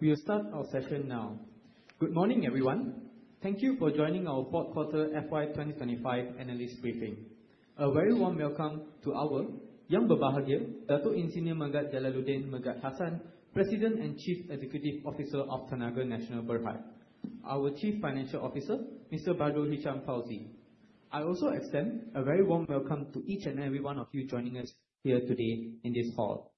We'll start our session now. Good morning, everyone. Thank you for joining our Q4 FY 2025 analyst briefing. A very warm welcome to our Yang Berbahagia, Dato' Ir. Megat Jalaluddin Megat Hassan, President and Chief Executive Officer of Tenaga Nasional Berhad. Our Chief Financial Officer, Mr. Badrulhisyam Fauzi. I also extend a very warm welcome to each and every one of you joining us here today in this call.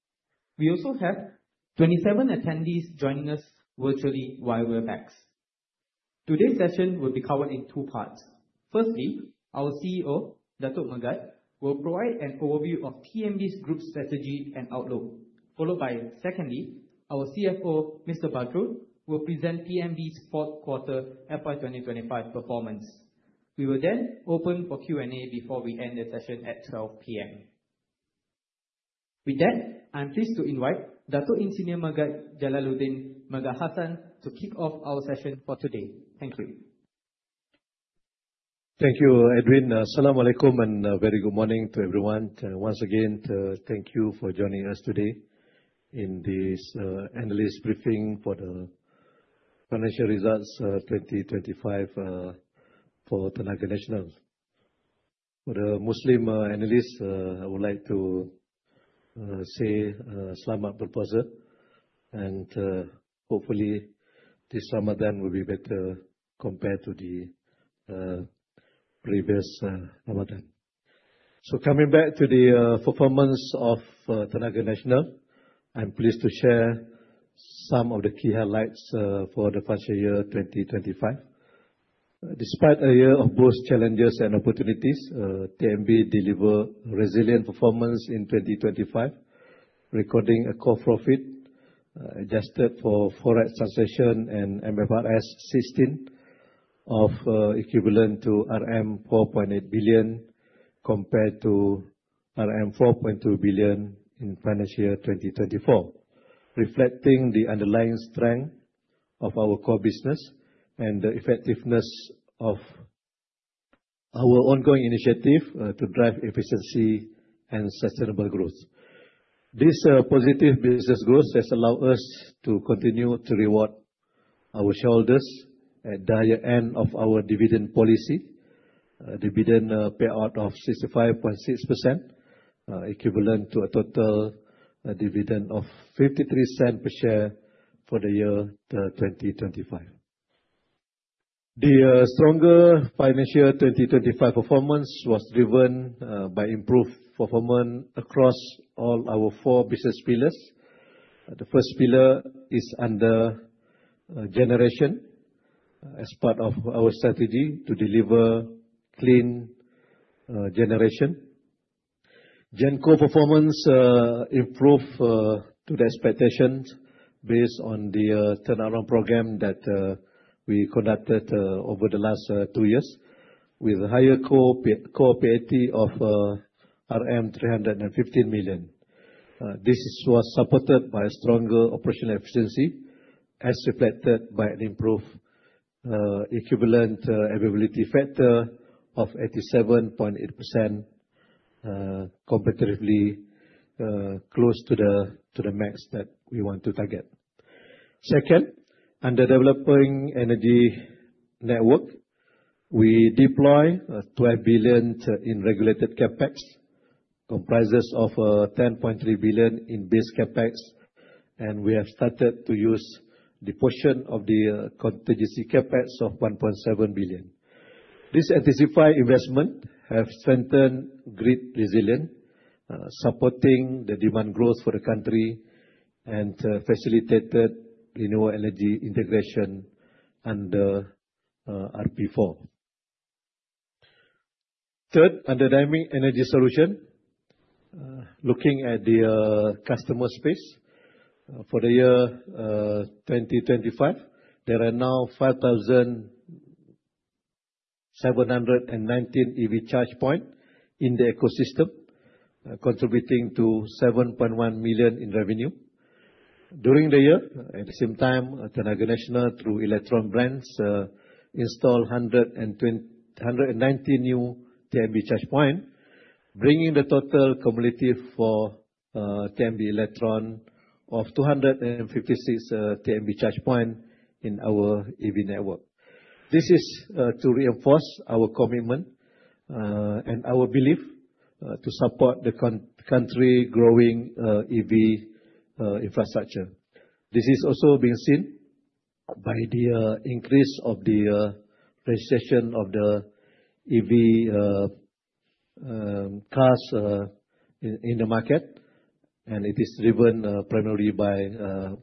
We also have 27 attendees joining us virtually via Webex. Today's session will be covered in 2 parts. Firstly, our CEO, Dato' Megat, will provide an overview of TNB's group strategy and outlook, followed by secondly, our CFO, Mr. Badrul, will present TNB's Q4 FY 2025 performance. We will open for Q&A before we end the session at 12:00 P.M. With that, I'm pleased to invite Dato' Ir. Megat Jalaluddin Megat Hassan to kick off our session for today. Thank you. Thank you, Edwin. Assalamualaikum, and a very good morning to everyone. once again, thank you for joining us today in this analyst briefing for the financial results, 2025, for Tenaga Nasional. For the Muslim analysts, I would like to say, Selamat Berbuka, and hopefully this Ramadan will be better compared to the previous Ramadan. Coming back to the performance of Tenaga Nasional, I'm pleased to share some of the key highlights, for the financial year 2025. Despite a year of both challenges and opportunities, TNB deliver resilient performance in 2025, recording a core profit, adjusted for forex translation and MFRS 16 of, equivalent to MYR 4.8 billion, compared to 4.2 billion in financial year 2024, reflecting the underlying strength of our core business and the effectiveness of our ongoing initiative to drive efficiency and sustainable growth. This, positive business growth has allowed us to continue to reward our shareholders at the year-end of our dividend policy. Dividend payout of 65.6%, equivalent to a total dividend of 0.53 per share for the year, 2025. The, stronger financial year 2025 performance was driven by improved performance across all our four business pillars. The first pillar is under generation. As part of our strategy to deliver clean generation. Genco performance improved to the expectations based on the turnaround program that we conducted over the last two years, with higher core PAT of MYR 315 million. This was supported by stronger operational efficiency, as reflected by an improved Equivalent Availability Factor of 87.8%, competitively close to the max that we want to target. Second, under developing energy network, we deploy 12 billion in regulated CapEx, comprises of 10.3 billion in base CapEx, and we have started to use the portion of the contingency CapEx of 1.7 billion. This intensified investment have strengthened grid resilience, supporting the demand growth for the country and facilitated renewable energy integration under RP4. Third, under dynamic energy solution, looking at the customer space. For the year 2025, there are now 5,719 EV charge point in the ecosystem, contributing to 7.1 million in revenue. During the year, at the same time, Tenaga Nasional, through TNB Electron, installed 190 new TNB charge point, bringing the total cumulative for TNB Electron of 256 TNB charge point in our EV network. This is to reinforce our commitment and our belief to support the country growing EV infrastructure. This is also being seen by the increase of the recession of the EV cars in the market, and it is driven primarily by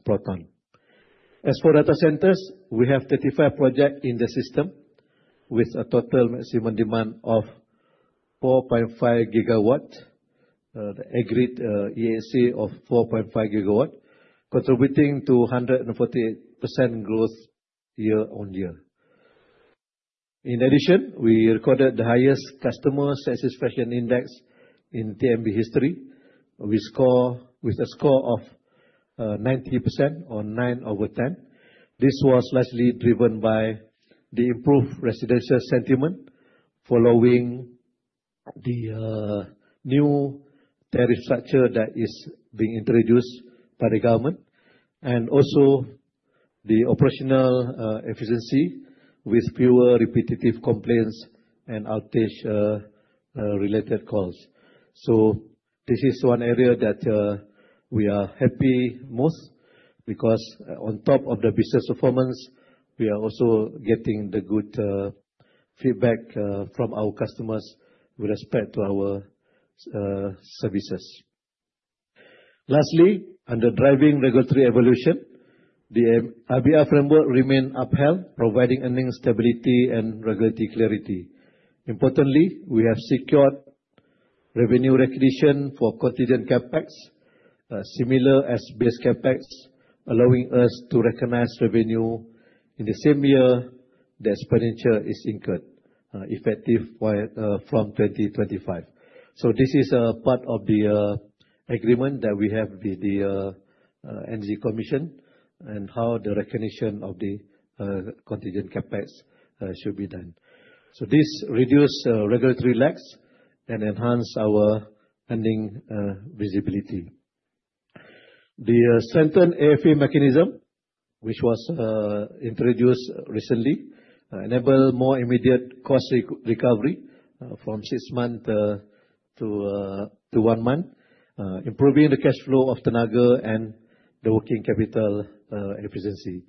Proton. As for data centers, we have 35 project in the system, with a total maximum demand of 4.5 GW, the agreed EAC of 4.5 GW, contributing to 148% growth year-on-year. In addition, we recorded the highest customer satisfaction index in TNB history. We with a score of 90% or 9/10. This was largely driven by the improved residential sentiment the new tariff structure that is being introduced by the government, and also the operational efficiency with fewer repetitive complaints and outage related calls. This is one area that we are happy most, because on top of the business performance, we are also getting the good feedback from our customers with respect to our services. Lastly, under driving regulatory evolution, the RBR framework remain upheld, providing earnings stability and regulatory clarity. Importantly, we have secured revenue recognition for contingent CapEx, similar as base CapEx, allowing us to recognize revenue in the same year that expenditure is incurred, effective from 2025. This is a part of the agreement that we have with the Energy Commission and how the recognition of the contingent CapEx should be done. This reduce regulatory lags and enhance our earning visibility. The strengthened AFF mechanism, which was introduced recently, enable more immediate cost recovery, from six months, to one month, improving the cash flow of Tenaga Nasional and the working capital efficiency.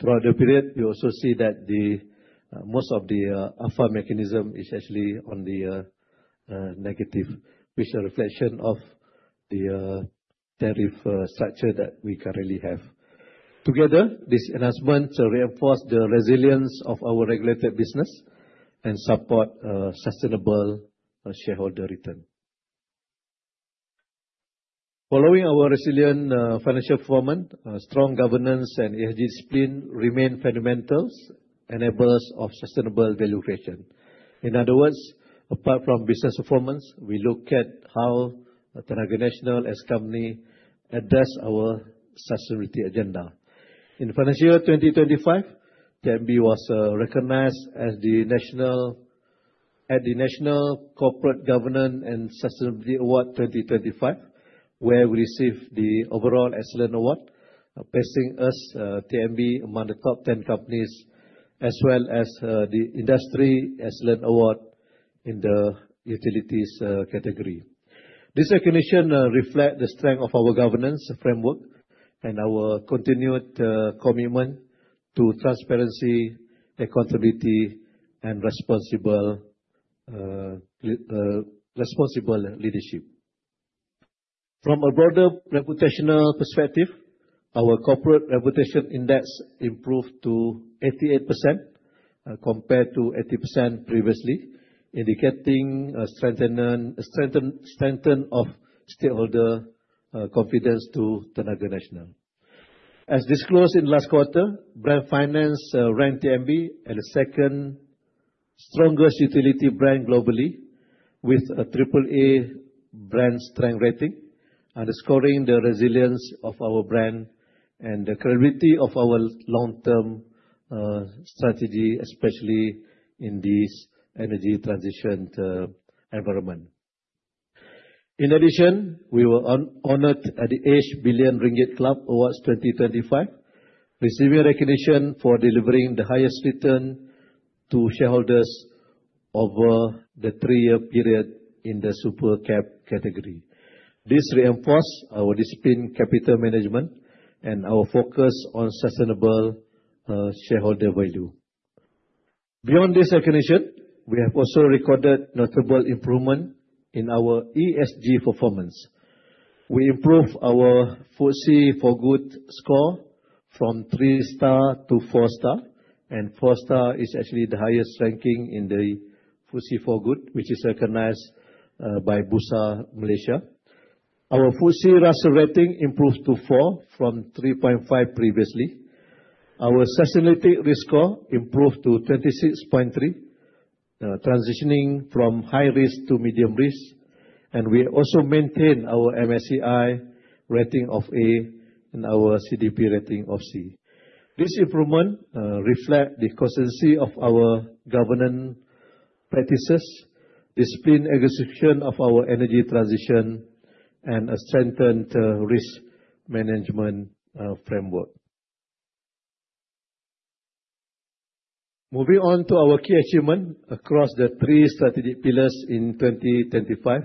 Throughout the period, we also see that the most of the AFF mechanism is actually on the negative, which is a reflection of the tariff structure that we currently have. Together, this enhancement reinforce the resilience of our regulated business and support sustainable shareholder return. Following our resilient financial performance, strong governance and ESG discipline remain fundamentals enablers of sustainable value creation. In other words, apart from business performance, we look at how Tenaga Nasional as company address our sustainability agenda. In financial year 2025, TNB was recognized at the National Corporate Governance and Sustainability Award 2025, where we received the Overall Excellent Award, placing us TNB among the top 10 companies, as well as the Industry Excellent Award in the utilities category. This recognition reflect the strength of our governance framework and our continued commitment to transparency, accountability and responsible leadership. From a broader reputational perspective, our corporate reputation index improved to 88% compared to 80% previously, indicating a strengthen of stakeholder confidence to Tenaga Nasional. As disclosed in last quarter, Brand Finance ranked TNB as the second strongest utility brand globally, with a triple A brand strength rating, underscoring the resilience of our brand and the credibility of our long-term strategy, especially in this energy transition environment. We were honored at The Edge Billion Ringgit Club Awards 2025, receiving recognition for delivering the highest return to shareholders over the three-year period in the super cap category. This reinforce our disciplined capital management and our focus on sustainable shareholder value. Beyond this recognition, we have also recorded notable improvement in our ESG performance. We improved our FTSE4Good score from 3 star to 4 star, and 4 star is actually the highest ranking in the FTSE4Good, which is recognized by Bursa Malaysia. Our FTSE Russell rating improved to 4 from 3.5 previously. Our Sustainability Risk score improved to 26.3, transitioning from high risk to medium risk, and we also maintained our MSCI rating of A and our CDP rating of C. This improvement, reflect the consistency of our governance practices, discipline, execution of our energy transition, and a strengthened risk management framework. Moving on to our key achievement across the three strategic pillars in 2025.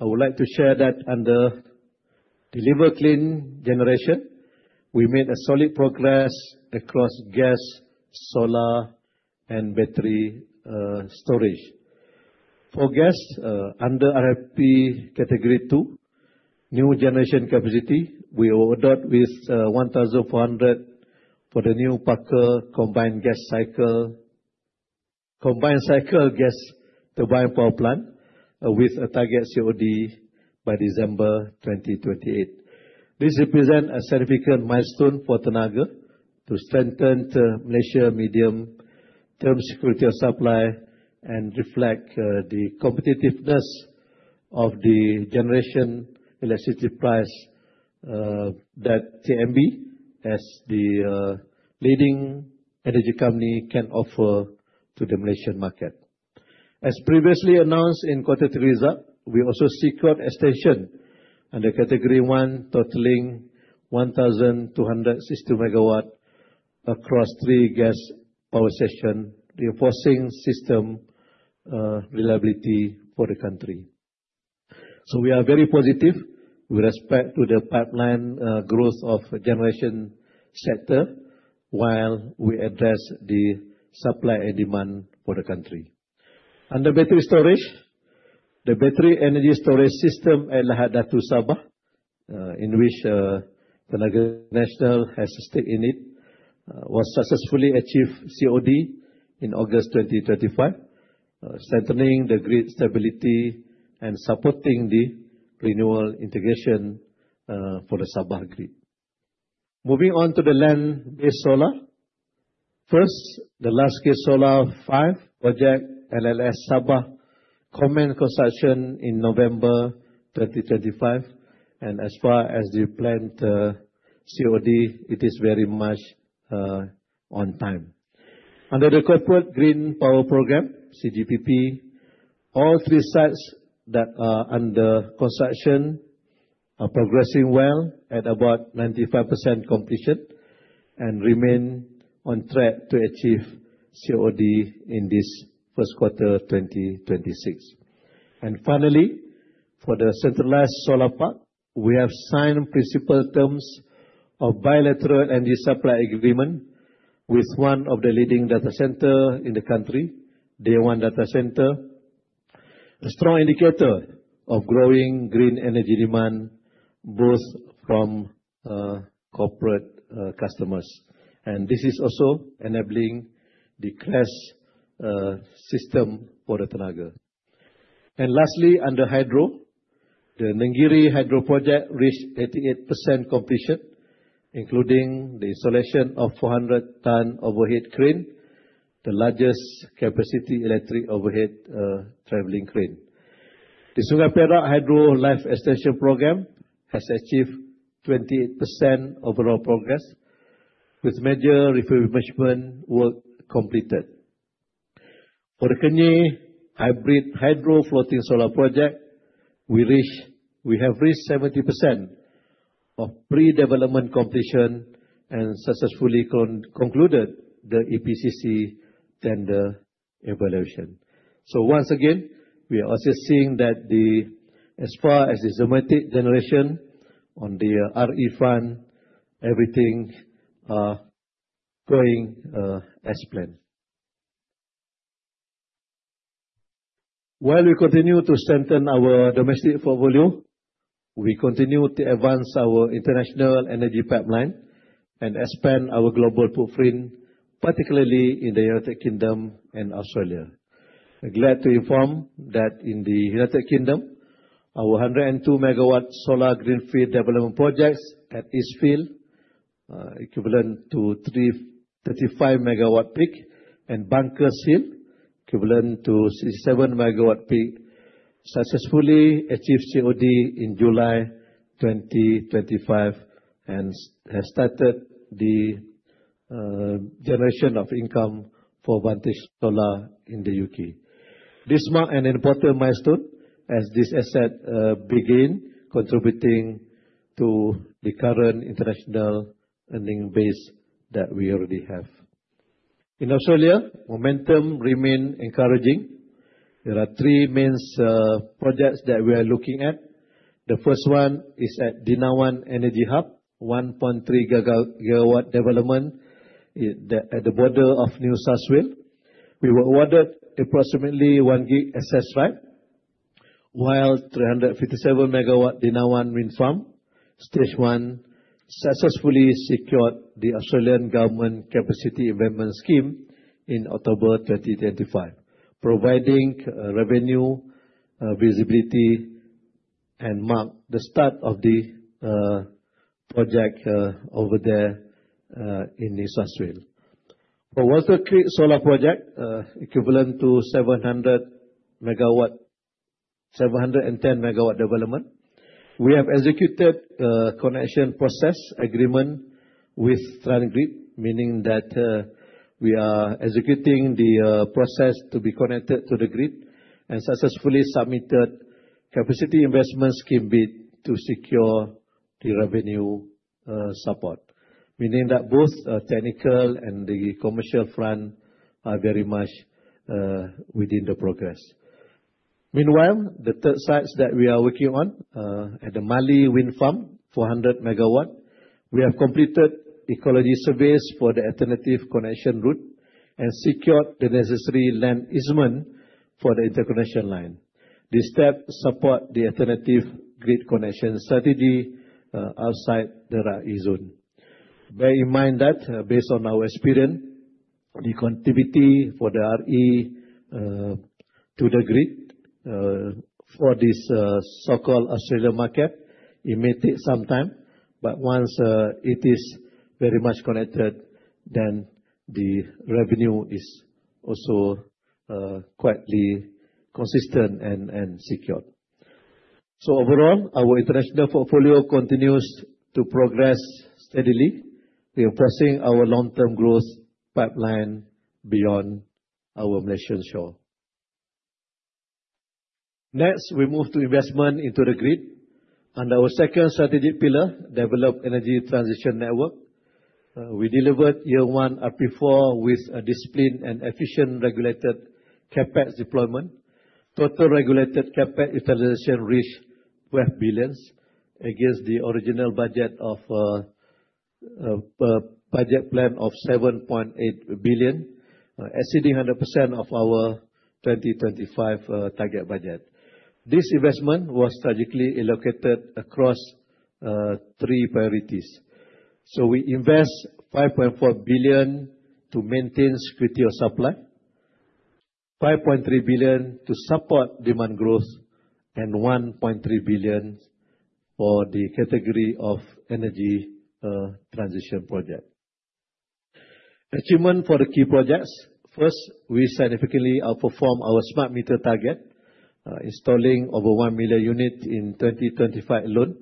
I would like to share that under deliver clean generation, we made a solid progress across gas, solar, and battery storage. For gas, under RFP Category 2, new generation capacity, we awarded with 1,400 for the new Paka Combined Cycle Gas Turbine Power Plant, with a target COD by December 2028. This represent a significant milestone for Tenaga to strengthen the Malaysia medium-term security of supply and reflect of the generation electricity price that TNB, as the leading energy company, can offer to the Malaysian market. As previously announced in quarter three result, we also secured extension under category one, totaling 1,260 MW across three gas power station, reinforcing system reliability for the country. We are very positive with respect to the pipeline growth of generation sector, while we address the supply and demand for the country. Under battery storage, the battery energy storage system at Lahad Datu, Sabah, in which Tenaga Nasional has a stake in it, was successfully achieved COD in August 2025, strengthening the grid stability and supporting the renewable integration for the Sabah grid. Moving on to the land-based solar. First, the Large Scale Solar 5 project, LSS Sabah, commenced construction in November 2025, and as far as the planned COD, it is very much on time. Under the Corporate Green Power Programme, CGPP, all three sites that are under construction are progressing well at about 95% completion and remain on track to achieve COD in this Q1 2026. Finally, for the Centralized Solar Park, we have signed principal terms of bilateral energy supply agreement with one of the leading data center in the country, DayOne Data Centre, a strong indicator of growing green energy demand, both from corporate customers. This is also enabling the class system for the Tenaga. Lastly, under hydro, the Nenggiri Hydroelectric Project reached 88% completion, including the installation of 400 ton overhead crane, the largest capacity electric overhead traveling crane. The Sungai Perak Hydro Life Extension Program has achieved 28% overall progress, with major refurbishment work completed. For the Kenyir Hybrid Hydro Floating Solar Project, we have reached 70% of pre-development completion and successfully concluded the EPCC tender evaluation. Once again, we are also seeing that as far as the domestic generation on the RE front, everything going as planned. While we continue to strengthen our domestic portfolio, we continue to advance our international energy pipeline and expand our global footprint, particularly in the United Kingdom and Australia. We're glad to inform that in the United Kingdom, our 102 MW solar greenfield development projects at Eastfield, equivalent to 35 MW, and Bunkers Hill, equivalent to 67 MW, successfully achieved COD in July 2025, and has started the generation of income for Vantage Solar in the UK. This marks an important milestone as this asset begin contributing to the current international earning base that we already have. In Australia, momentum remain encouraging. There are three main projects that we are looking at. The first one is at Dinawan Energy Hub, 1.3 GW development at the border of New South Wales. We were awarded approximately 1 gig access right, while 357 MW Dinawan Wind Farm, stage one, successfully secured the Australian Government Capacity Investment Scheme in October 2025, providing revenue visibility and mark the start of the project over there in New South Wales. For Wollar Creek Solar Project, equivalent to 700 MW-710 MW development, we have executed connection process agreement with TransGrid, meaning that we are executing the process to be connected to the grid and successfully submitted Capacity Investment Scheme bid to secure the revenue support. Meaning that both technical and the commercial front are very much within the progress. Meanwhile, the third sites that we are working on at the Mallee Wind Farm, 400 MW, we have completed ecology surveys for the alternative connection route and secured the necessary land easement for the interconnection line. This step support the alternative grid connection strategy outside the RE zone. Bear in mind that, based on our experience, the connectivity for the RE to the grid, for this so-called Australian market, it may take some time, but once it is very much connected, then the revenue is also quietly consistent and secured. Overall, our international portfolio continues to progress steadily. We are pressing our long-term growth pipeline beyond our national shore. Next, we move to investment into the grid. Under our second strategic pillar, Develop Energy Transition Network, we delivered year one RP4 with a disciplined and efficient regulated CapEx deployment. Total regulated CapEx utilization reached 12 billion, against the original budget of budget plan of 7.8 billion, exceeding 100% of our 2025 target budget. This investment was strategically allocated across three priorities. We invest 5.4 billion to maintain security of supply, 5.3 billion to support demand growth, and 1.3 billion for the category of energy transition project. Achievement for the key projects. First, we significantly outperform our smart meter target, installing over 1 million units in 2025 alone,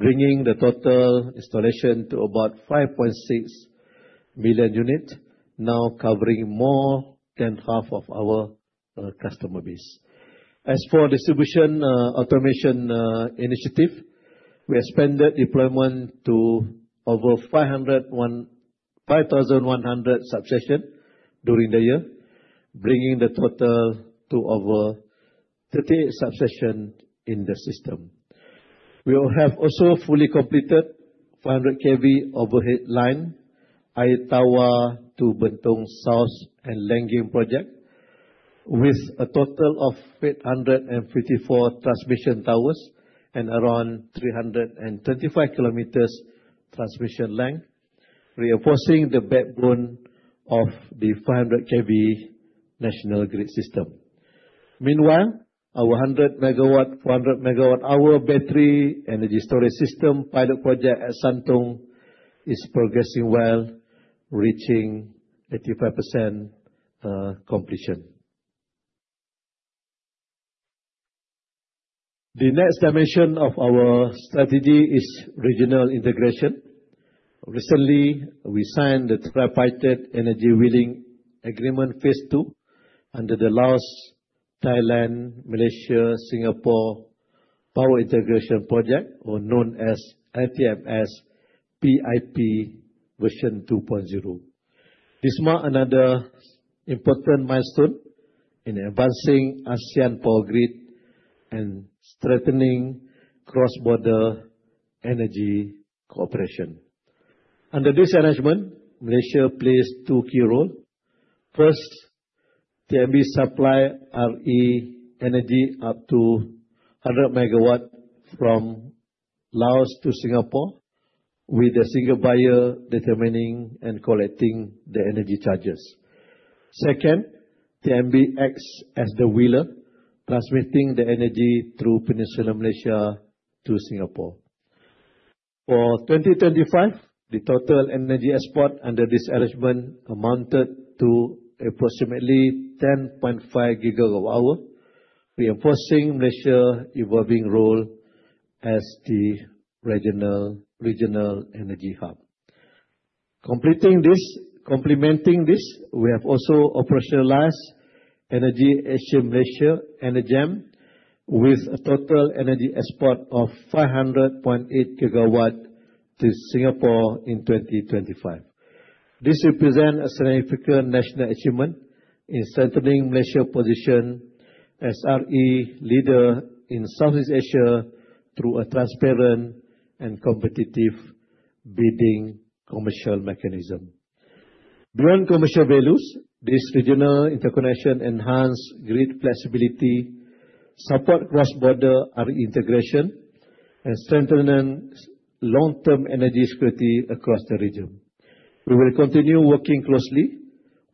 bringing the total installation to about 5.6 million units, now covering more than half of our customer base. As for distribution, automation, initiative, we expanded deployment to over 5,100 substation during the year, bringing the total to over 30 substation in the system. We will have also fully completed 500 KV overhead line, Ayer Tawar to Bentong South and Lenggeng project, with a total of 854 transmission towers and around 335 km transmission length, reinforcing the backbone of the 500 KV national grid system. Meanwhile, our 100 MW, 400 MWh battery energy storage system pilot project at Santong is progressing well, reaching 85% completion. The next dimension of our strategy is regional integration. Recently, we signed the tripartite energy wheeling agreement, Phase 2, under the Lao PDR-Thailand-Malaysia-Singapore Power Integration Project, or known as LTMS-PIP version 2.0. This mark another important milestone in advancing ASEAN Power Grid and strengthening cross-border energy cooperation. Under this arrangement, Malaysia plays two key role. First, TNB supply RE energy up to 100 MW from Laos to Singapore, with the Single Buyer determining and collecting the energy charges. Second, TNB acts as the wheeler, transmitting the energy through Peninsular Malaysia to Singapore. For 2025, the total energy export under this arrangement amounted to approximately 10.5 GWh, reinforcing Malaysia evolving role as the regional energy hub. Complementing this, we have also operationalized Energy Asia Malaysia, with a total energy export of 500.8 GW to Singapore in 2025. This represent a significant national achievement in centering Malaysia position as RE leader in Southeast Asia through a transparent and competitive bidding commercial mechanism. During commercial values, this regional interconnection enhance grid flexibility, support cross-border RE integration, and strengthen long-term energy security across the region. We will continue working closely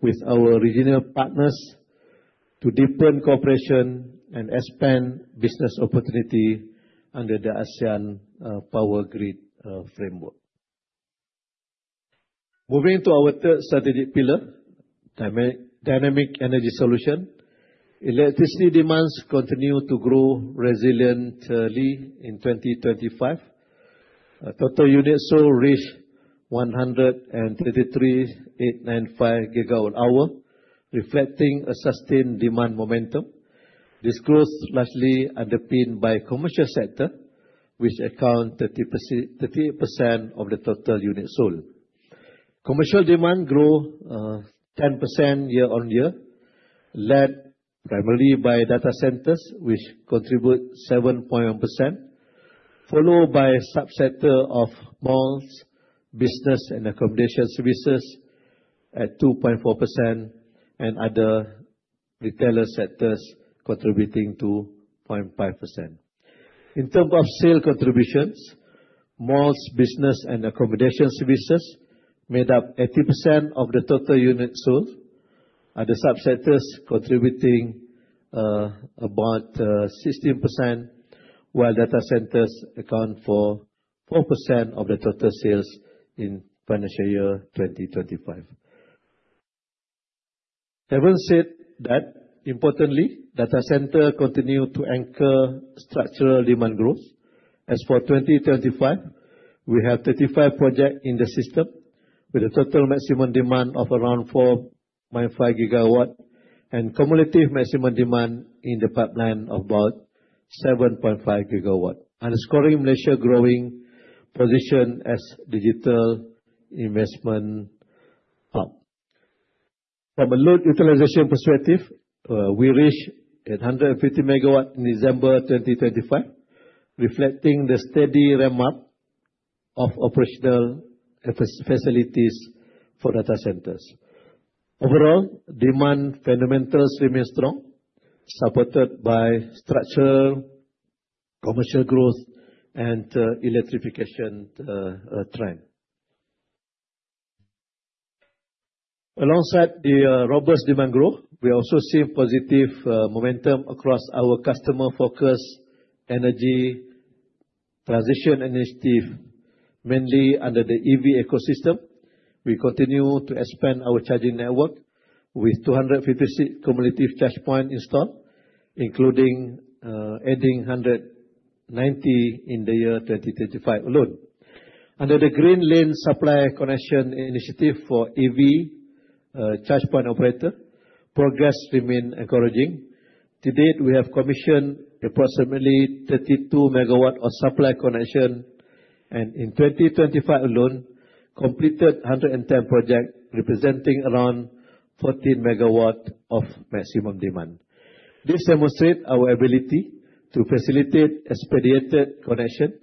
with our regional partners to deepen cooperation and expand business opportunity under the ASEAN Power Grid Framework. Moving to our third strategic pillar, dynamic energy solution. Electricity demands continue to grow resiliently in 2025. Total units sold reached 133,895 GWh, reflecting a sustained demand momentum. This growth is largely underpinned by commercial sector, which account 30%, 38% of the total units sold. Commercial demand grow 10% year-on-year, led primarily by data centers, which contribute 7.1%, followed by a subsector of malls, business and accommodation services at 2.4%, and other retailer sectors contributing 0.5%. In terms of sale contributions, malls, business and accommodation services made up 80% of the total units sold, other subsectors contributing about 16%, while data centers account for 4% of the total sales in financial year 2025. Having said that, importantly, data center continue to anchor structural demand growth. As for 2025, we have 35 projects in the system, with a total maximum demand of around 4.5 GW and cumulative maximum demand in the pipeline of about 7.5 GW, underscoring Malaysia growing position as digital investment hub. From a load utilization perspective, we reached 850 MW in December 2025, reflecting the steady ramp-up of operational facilities for data centers. Overall, demand fundamentals remain strong, supported by structural commercial growth and electrification trend. Alongside the robust demand growth, we also see positive momentum across our customer focus energy transition initiative, mainly under the EV ecosystem. We continue to expand our charging network with 256 cumulative charge point installed, including adding 190 in the year 2025 alone. Under the Green Lane Supply Connection Initiative for EV charge point operator, progress remain encouraging. To date, we have commissioned approximately 32 MW of supply connection, and in 2025 alone, completed 110 projects, representing around 14 MW of maximum demand. This demonstrates our ability to facilitate expedited connection,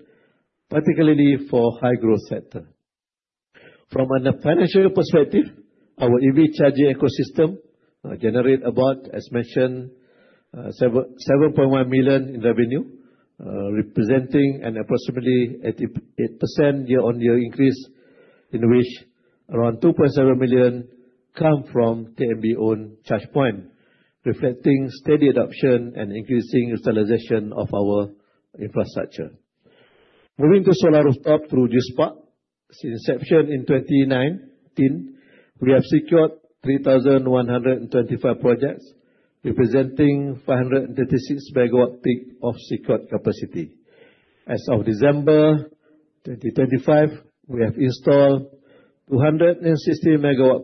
particularly for high growth sector. From a financial perspective, our EV charging ecosystem generate about, as mentioned, 7.1 million in revenue, representing an approximately 88% year-on-year increase, in which around 2.7 million come from TNB own charge point, reflecting steady adoption and increasing utilization of our infrastructure. Moving to solar rooftop through GSPARX. Since inception in 2019, we have secured 3,125 projects, representing 536 MW of secured capacity. As of December 2025, we have installed 260 MW,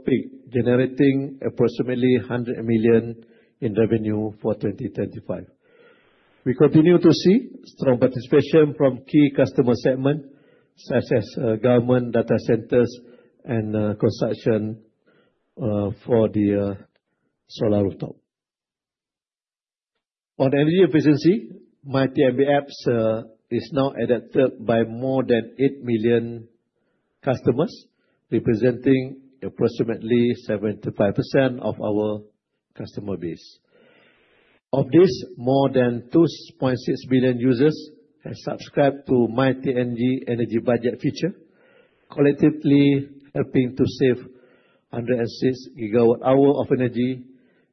generating approximately 100 million in revenue for 2025. We continue to see strong participation from key customer segments, such as government, data centers, and construction for the solar rooftop. On energy efficiency, myTNB apps is now adopted by more than 8 million customers, representing approximately 75% of our customer base. Of this, more than 2.6 million users have subscribed to myTNB energy budget feature, collectively helping to save 106 GWh of energy,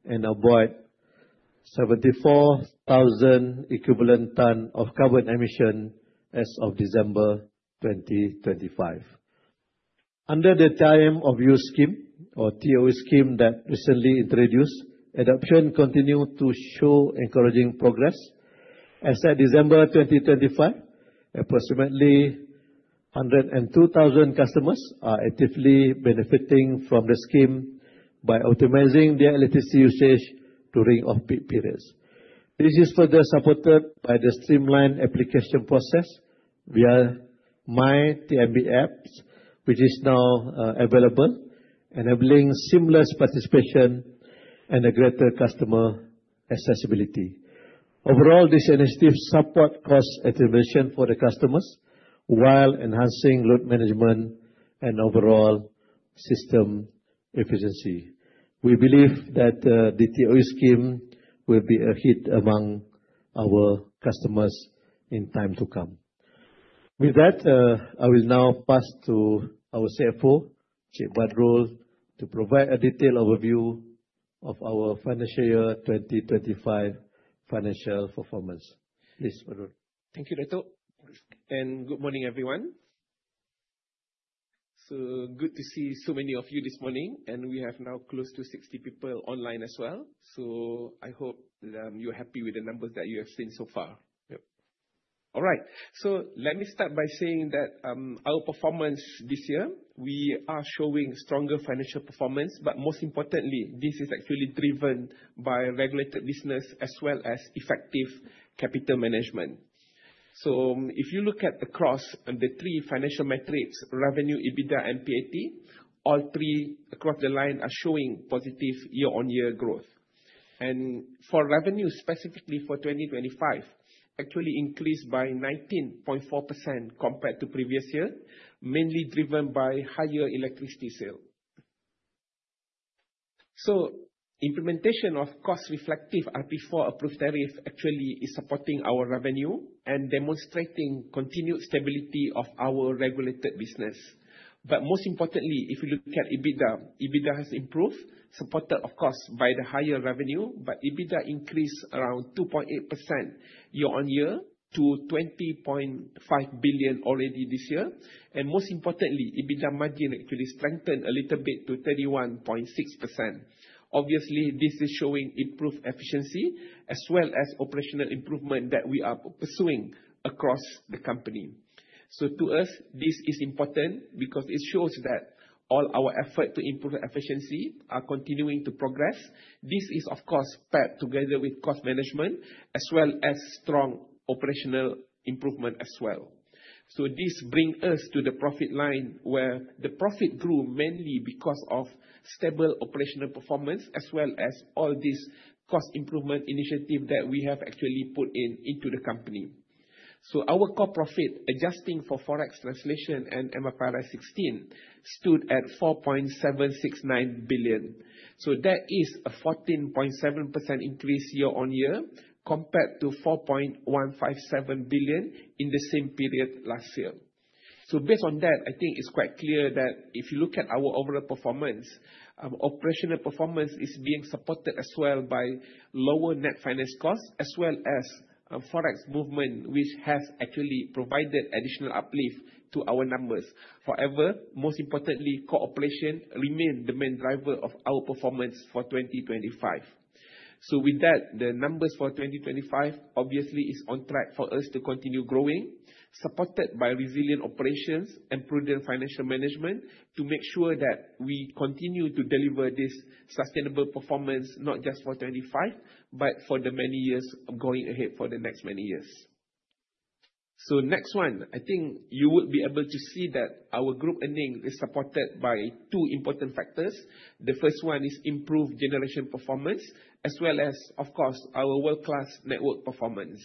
and avoid 74,000 equivalent tons of carbon emission as of December 2025. Under the Time of Use scheme, or TOU scheme, that recently introduced, adoption continue to show encouraging progress. As at December 2025, approximately 102,000 customers are actively benefiting from the scheme by optimizing their electricity usage during off-peak periods. This is further supported by the streamlined application process via myTNB apps, which is now available, enabling seamless participation and a greater customer accessibility. Overall, this initiative support cost optimization for the customers while enhancing load management and overall system efficiency. We believe that the TOU scheme will be a hit among our customers in time to come. I will now pass to our CFO, Encik Badrul, to provide a detailed overview of our financial year 2025 financial performance. Please, Badrul. Thank you, Dato'. Good morning, everyone. Good to see so many of you this morning. We have now close to 60 people online as well. I hope that you're happy with the numbers that you have seen so far. Yep. All right. Let me start by saying that our performance this year, we are showing stronger financial performance. Most importantly, this is actually driven by regulated business as well as effective capital management. If you look at across the three financial metrics, revenue, EBITDA, and PAT, all three across the line are showing positive year-on-year growth. For revenue, specifically for 2025, actually increased by 19.4% compared to previous year, mainly driven by higher electricity sale... Implementation of cost reflective RP4 approved tariff actually is supporting our revenue and demonstrating continued stability of our regulated business. Most importantly, if you look at EBITDA has improved, supported of course, by the higher revenue, EBITDA increased around 2.8% year-on-year to 20.5 billion already this year. Most importantly, EBITDA margin actually strengthened a little bit to 31.6%. Obviously, this is showing improved efficiency as well as operational improvement that we are pursuing across the company. To us, this is important because it shows that all our effort to improve efficiency are continuing to progress. This is, of course, paired together with cost management as well as strong operational improvement as well. This bring us to the profit line, where the profit grew mainly because of stable operational performance, as well as all this cost improvement initiative that we have actually put in into the company. Our core profit, adjusting for forex translation and MFRS 16, stood at 4.769 billion. That is a 14.7% increase year-on-year, compared to 4.157 billion in the same period last year. Based on that, I think it's quite clear that if you look at our overall performance, operational performance is being supported as well by lower net finance costs, as well as, forex movement, which has actually provided additional uplift to our numbers. However, most importantly, core operation remain the main driver of our performance for 2025. With that, the numbers for 2025 obviously is on track for us to continue growing, supported by resilient operations and prudent financial management, to make sure that we continue to deliver this sustainable performance, not just for 25, but for the many years going ahead for the next many years. Next one, I think you would be able to see that our group earnings is supported by 2 important factors. The first one is improved generation performance, as well as, of course, our world-class network performance.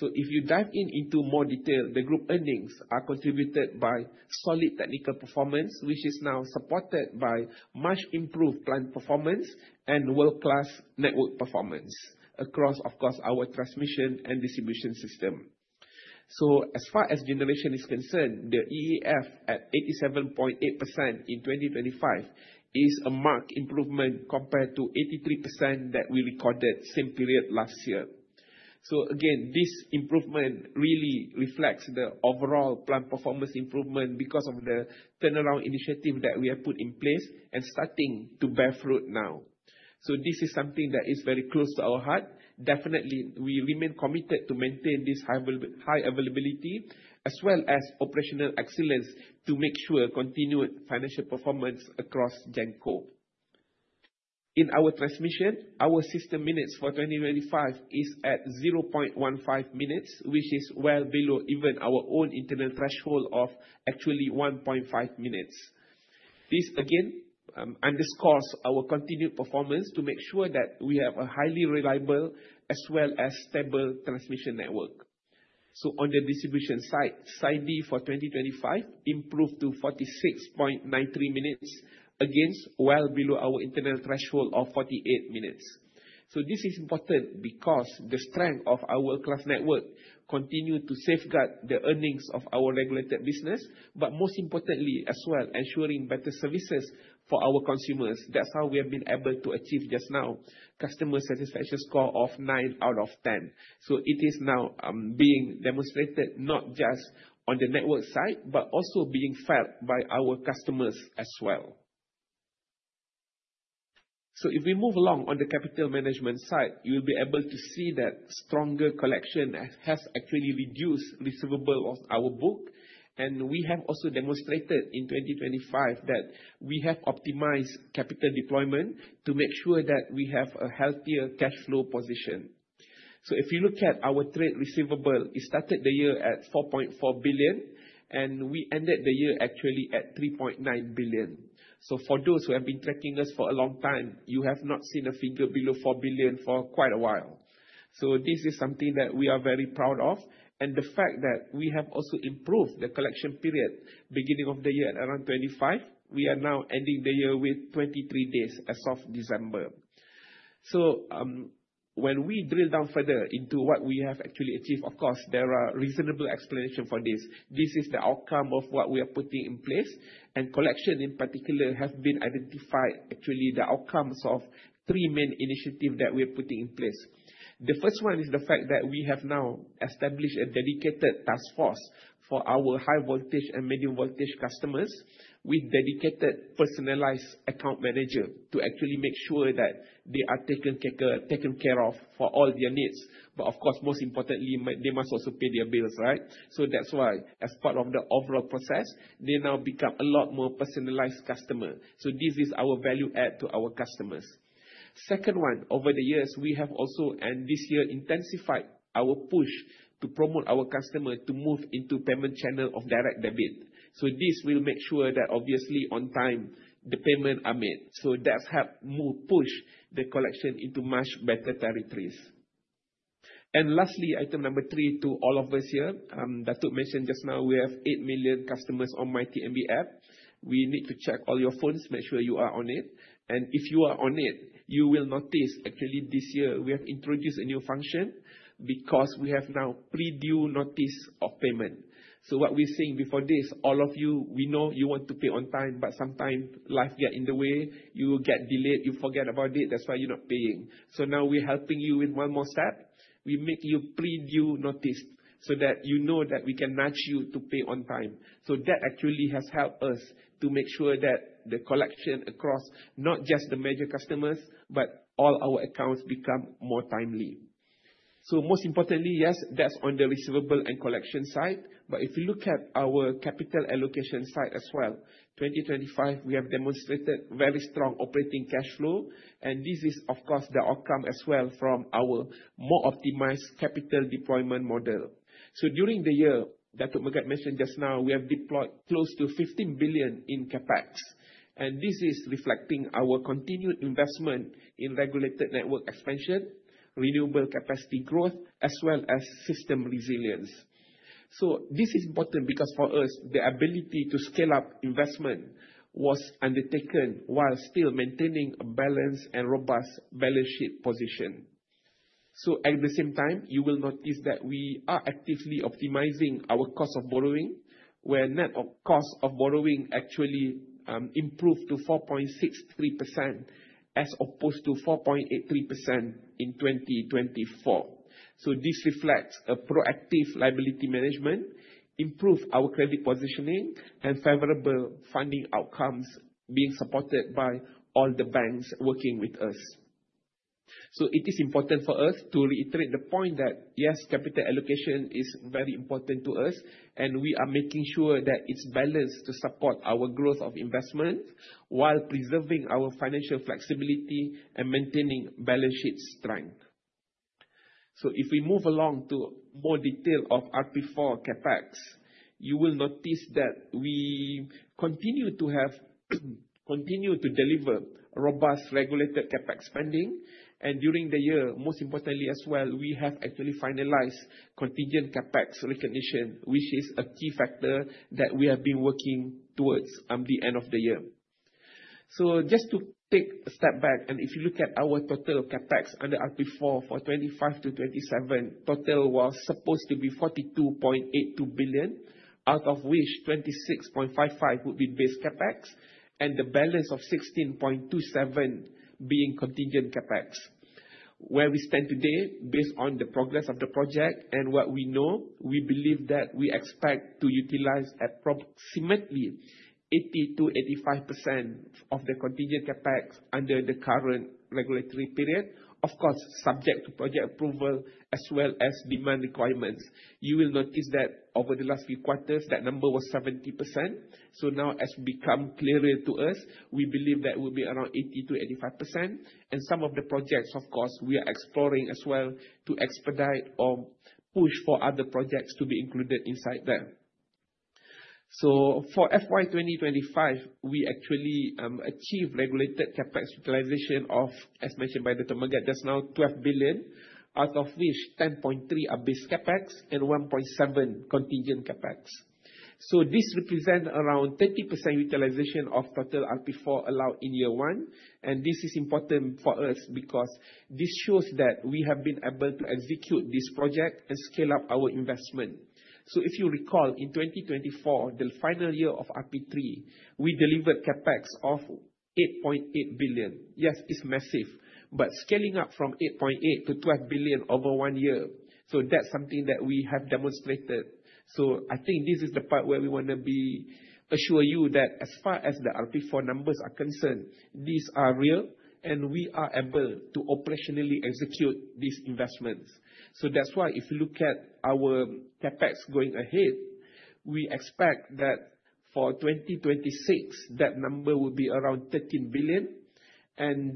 If you dive in into more detail, the group earnings are contributed by solid technical performance, which is now supported by much improved plant performance and world-class network performance across, of course, our transmission and distribution system. As far as generation is concerned, the EAF at 87.8% in 2025 is a marked improvement compared to 83% that we recorded same period last year. Again, this improvement really reflects the overall plant performance improvement because of the turnaround initiative that we have put in place and starting to bear fruit now. This is something that is very close to our heart. Definitely, we remain committed to maintain this high availability, as well as operational excellence, to make sure continued financial performance across Genco. In our transmission, our system minutes for 2025 is at 0.15 minutes, which is well below even our own internal threshold of actually 1.5 minutes. This again underscores our continued performance to make sure that we have a highly reliable as well as stable transmission network. On the distribution side, SAIDI for 2025 improved to 46.93 minutes, against well below our internal threshold of 48 minutes. This is important because the strength of our world-class network continue to safeguard the earnings of our regulated business, but most importantly, as well, ensuring better services for our consumers. That's how we have been able to achieve just now, customer satisfaction score of 9 out of 10. It is now being demonstrated not just on the network side, but also being felt by our customers as well. If we move along on the capital management side, you'll be able to see that stronger collection has actually reduced receivable of our book. We have also demonstrated in 2025 that we have optimized capital deployment to make sure that we have a healthier cash flow position. If you look at our trade receivable, it started the year at 4.4 billion, and we ended the year actually at 3.9 billion. For those who have been tracking us for a long time, you have not seen a figure below 4 billion for quite a while. This is something that we are very proud of, and the fact that we have also improved the collection period, beginning of the year at around 25, we are now ending the year with 23 days as of December. When we drill down further into what we have actually achieved, of course, there are reasonable explanation for this. This is the outcome of what we are putting in place, and collection in particular, has been identified, actually, the outcomes of three main initiatives that we are putting in place. The first one is the fact that we have now established a dedicated task force for our high voltage and medium voltage customers, with dedicated, personalized account manager to actually make sure that they are taken care of for all their needs. Of course, most importantly, they must also pay their bills, right? That's why, as part of the overall process, they now become a lot more personalized customer. This is our value add to our customers. Second one, over the years, we have also, and this year, intensified our push to promote our customer to move into payment channel of direct debit. This will make sure that obviously on time, the payment are made. That's helped push the collection into much better territories. Lastly, item number 3 to all of us here, Datuk mentioned just now, we have 8 million customers on myTNB app. We need to check all your phones, make sure you are on it, and if you are on it, you will notice actually, this year, we have introduced a new function because we have now pre-due notice of payment. What we're saying before this, all of you, we know you want to pay on time, but sometime life get in the way. You will get delayed, you forget about it, that's why you're not paying. Now we're helping you with one more step. We make you pre-due notice so that you know that we can nudge you to pay on time. That actually has helped us to make sure that the collection across, not just the major customers, but all our accounts become more timely. Most importantly, yes, that's on the receivable and collection side, but if you look at our capital allocation side as well, 2025, we have demonstrated very strong operating cash flow, and this is, of course, the outcome as well from our more optimized capital deployment model. During the year, Dato' Ir. Megat mentioned just now, we have deployed close to 15 billion in CapEx, and this is reflecting our continued investment in regulated network expansion, renewable capacity growth, as well as system resilience. This is important because for us, the ability to scale up investment was undertaken while still maintaining a balanced and robust balance sheet position. At the same time, you will notice that we are actively optimizing our cost of borrowing, where net of cost of borrowing actually improved to 4.63%, as opposed to 4.83% in 2024. This reflects a proactive liability management, improve our credit positioning, and favorable funding outcomes being supported by all the banks working with us. It is important for us to reiterate the point that, yes, capital allocation is very important to us, and we are making sure that it's balanced to support our growth of investment while preserving our financial flexibility and maintaining balance sheet strength. If we move along to more detail of RP4 CapEx, you will notice that we continue to deliver robust, regulated CapEx spending. During the year, most importantly as well, we have actually finalized contingent CapEx recognition, which is a key factor that we have been working towards the end of the year. Just to take a step back, and if you look at our total CapEx under RP4 for 2025-2027, total was supposed to be 42.82 billion, out of which 26.55 billion would be base CapEx, and the balance of 16.27 billion being contingent CapEx. Where we stand today, based on the progress of the project and what we know, we believe that we expect to utilize approximately 80%-85% of the contingent CapEx under the current regulatory period. Of course, subject to project approval as well as demand requirements. You will notice that over the last few quarters, that number was 70%. Now as become clearer to us, we believe that will be around 80%-85%. Some of the projects, of course, we are exploring as well to expedite or push for other projects to be included inside there. For FY 2025, we actually achieved regulated CapEx utilization of, as mentioned by Dato' Megat just now, 12 billion, out of which 10.3 billion are base CapEx and 1.7 billion contingent CapEx. This represent around 30% utilization of total RP4 allowed in year one, and this is important for us because this shows that we have been able to execute this project and scale up our investment. If you recall, in 2024, the final year of RP3, we delivered CapEx of 8.8 billion. Yes, it's massive, scaling up from 8.8 billion to 12 billion over 1 year, that's something that we have demonstrated. I think this is the part where we want to assure you that as far as the RP4 numbers are concerned, these are real, and we are able to operationally execute these investments. That's why if you look at our CapEx going ahead, we expect that for 2026, that number will be around 13 billion,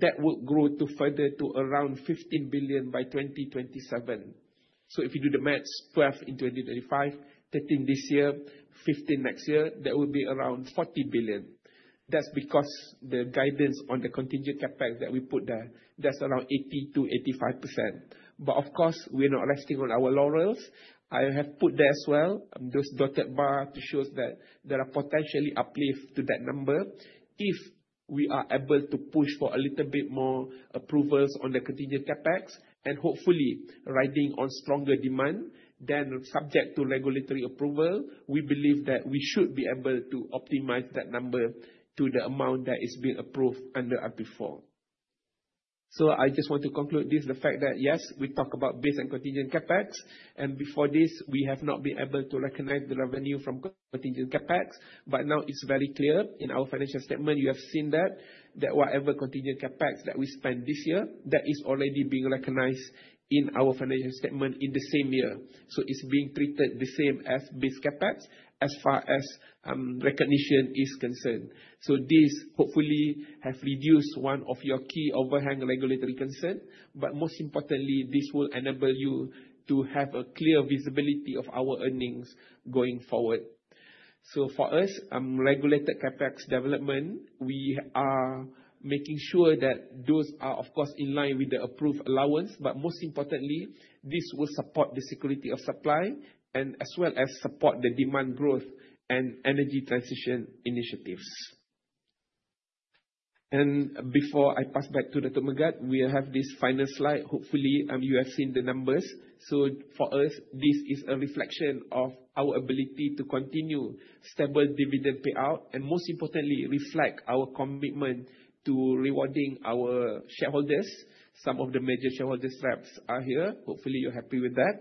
that will grow further to around 15 billion by 2027. If you do the maths, 12 in 2025, 13 this year, 15 next year, that will be around 40 billion. That's because the guidance on the contingent CapEx that we put there, that's around 80%-85%. Of course, we're not resting on our laurels. I have put there as well, those dotted bar shows that there are potentially uplift to that number if we are able to push for a little bit more approvals on the contingent CapEx. Hopefully, riding on stronger demand, subject to regulatory approval, we believe that we should be able to optimize that number to the amount that is being approved under RP4. I just want to conclude this, the fact that, yes, we talk about base and contingent CapEx. Before this, we have not been able to recognize the revenue from contingent CapEx. Now it's very clear in our financial statement, you have seen that whatever contingent CapEx that we spent this year, that is already being recognized in our financial statement in the same year. It's being treated the same as base CapEx as far as recognition is concerned. This hopefully has reduced one of your key overhang regulatory concern, but most importantly, this will enable you to have a clear visibility of our earnings going forward. For us, regulated CapEx development, we are making sure that those are, of course, in line with the approved allowance. Most importantly, this will support the security of supply and as well as support the demand growth and energy transition initiatives. Before I pass back to Dato' Megat, we have this final slide. Hopefully, you have seen the numbers. For us, this is a reflection of our ability to continue stable dividend payout, and most importantly, reflect our commitment to rewarding our shareholders. Some of the major shareholder reps are here. Hopefully, you're happy with that.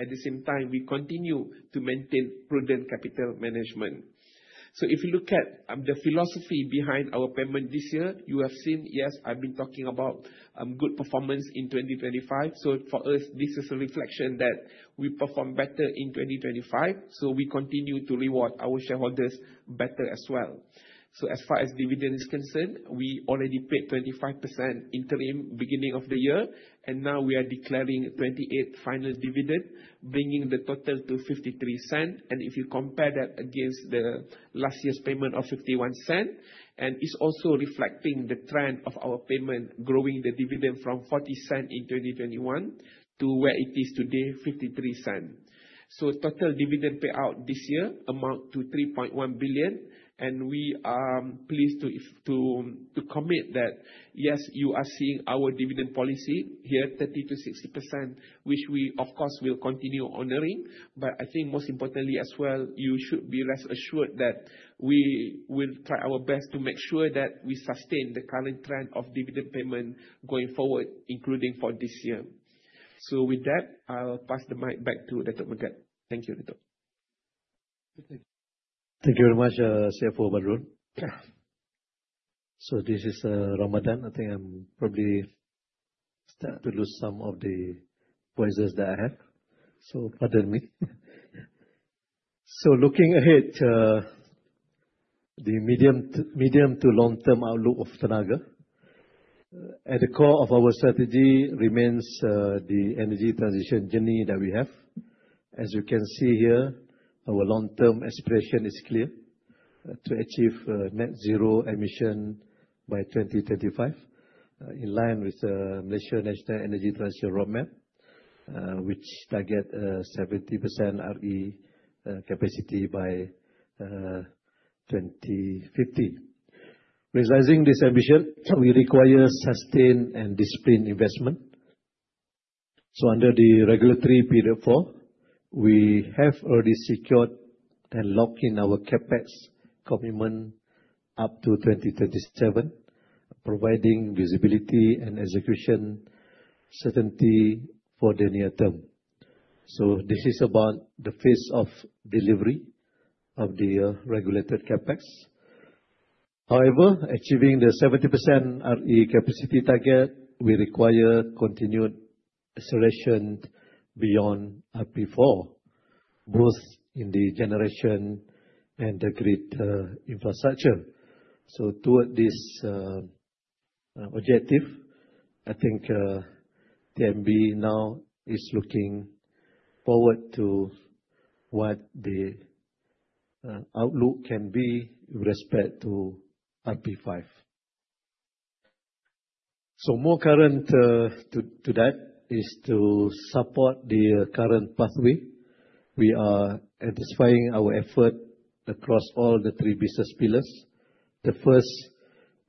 At the same time, we continue to maintain prudent capital management. If you look at the philosophy behind our payment this year, you have seen, yes, I've been talking about good performance in 2025. For us, this is a reflection that we performed better in 2025, so we continue to reward our shareholders better as well. As far as dividend is concerned, we already paid 25% interim beginning of the year, and now we are declaring 28 final dividend, bringing the total to 0.53. If you compare that against the last year's payment of 0.51, and it's also reflecting the trend of our payment, growing the dividend from 0.40 in 2021 to where it is today, 0.53. Total dividend payout this year amount to 3.1 billion. We are pleased to commit that, yes, you are seeing our dividend policy here, 30%-60%, which we of course, will continue honoring. I think most importantly as well, you should be rest assured that we will try our best to make sure that we sustain the current trend of dividend payment going forward, including for this year. With that, I'll pass the mic back to Dato' Megat. Thank you, Dato'. Thank you very much, CFO Badrul. This is Ramadan. I think I'm probably start to lose some of the voices that I have, so pardon me. Looking ahead, the medium to long-term outlook of Tenaga, at the core of our strategy remains the energy transition journey that we have. As you can see here, our long-term aspiration is clear, to achieve net zero emission by 2035, in line with Malaysia National Energy Transition Roadmap, which target 70% RE capacity by 2050. Realizing this ambition, we require sustained and disciplined investment. Under the Regulatory Period 4, we have already secured and locked in our CapEx commitment up to 2037, providing visibility and execution certainty for the near term. This is about the phase of delivery of the regulated CapEx. However, achieving the 70% RE capacity target will require continued acceleration beyond RP4, both in the generation and the grid infrastructure. Toward this objective, I think TNB now is looking forward to what the outlook can be with respect to RP5. More current to that, is to support the current pathway. We are intensifying our effort across all the 3 business pillars. The first,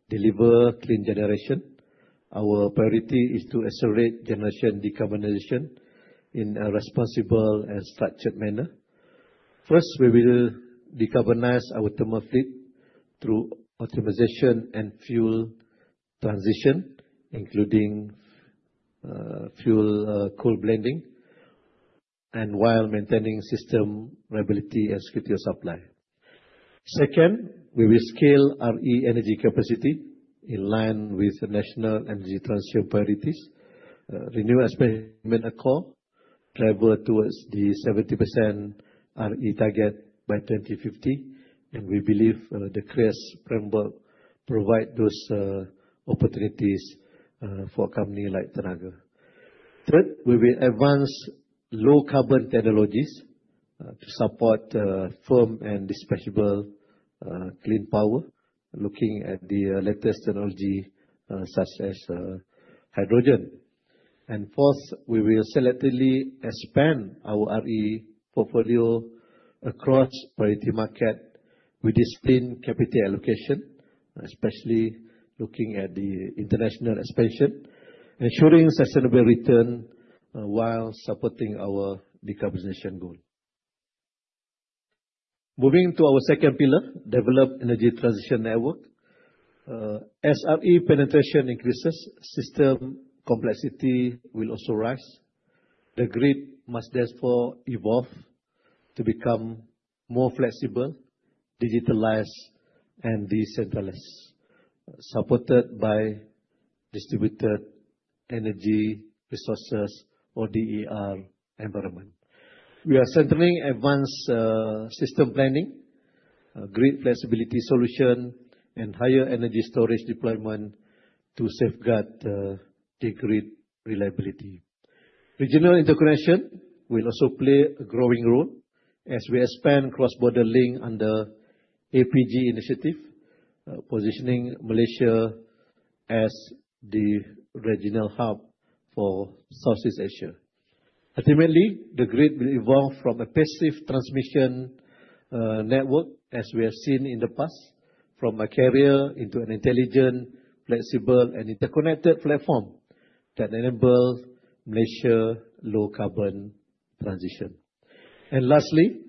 deliver clean generation. Our priority is to accelerate generation decarbonization in a responsible and structured manner. First, we will decarbonize our thermal fleet through optimization and fuel transition, including fuel coal blending, and while maintaining system reliability and secure supply. Second, we will scale RE energy capacity in line with the National Energy Transition priorities. Renewable has been a core driver towards the 70% RE target by 2050, and we believe the clear framework provide those opportunities for a company like Tenaga. Third, we will advance low carbon technologies to support firm and dispatchable clean power, looking at the latest technology such as hydrogen. Fourth, we will selectively expand our RE portfolio across priority market with disciplined capital allocation, especially looking at the international expansion, ensuring sustainable return while supporting our decarbonization goal. Moving to our second pillar, develop energy transition network. As RE penetration increases, system complexity will also rise. The grid must therefore evolve to become more flexible, digitalized and decentralized, supported by distributed energy resources or DER environment. We are centering advanced system planning, grid flexibility solution and higher energy storage deployment to safeguard the grid reliability. Regional interconnection will also play a growing role as we expand cross-border link under APG initiative, positioning Malaysia as the regional hub for Southeast Asia. Ultimately, the grid will evolve from a passive transmission network, as we have seen in the past, from a carrier into an intelligent, flexible, and interconnected platform that enables Malaysia low carbon transition. Lastly,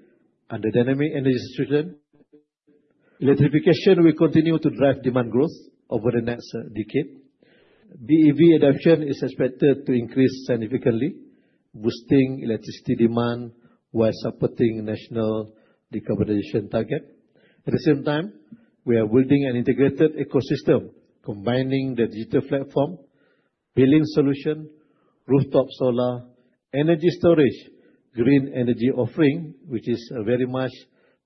under dynamic energy solution, electrification will continue to drive demand growth over the next decade. BEV adoption is expected to increase significantly, boosting electricity demand while supporting national decarbonization target. At the same time, we are building an integrated ecosystem, combining the digital platform, billing solution, rooftop solar, energy storage, green energy offering, which is very much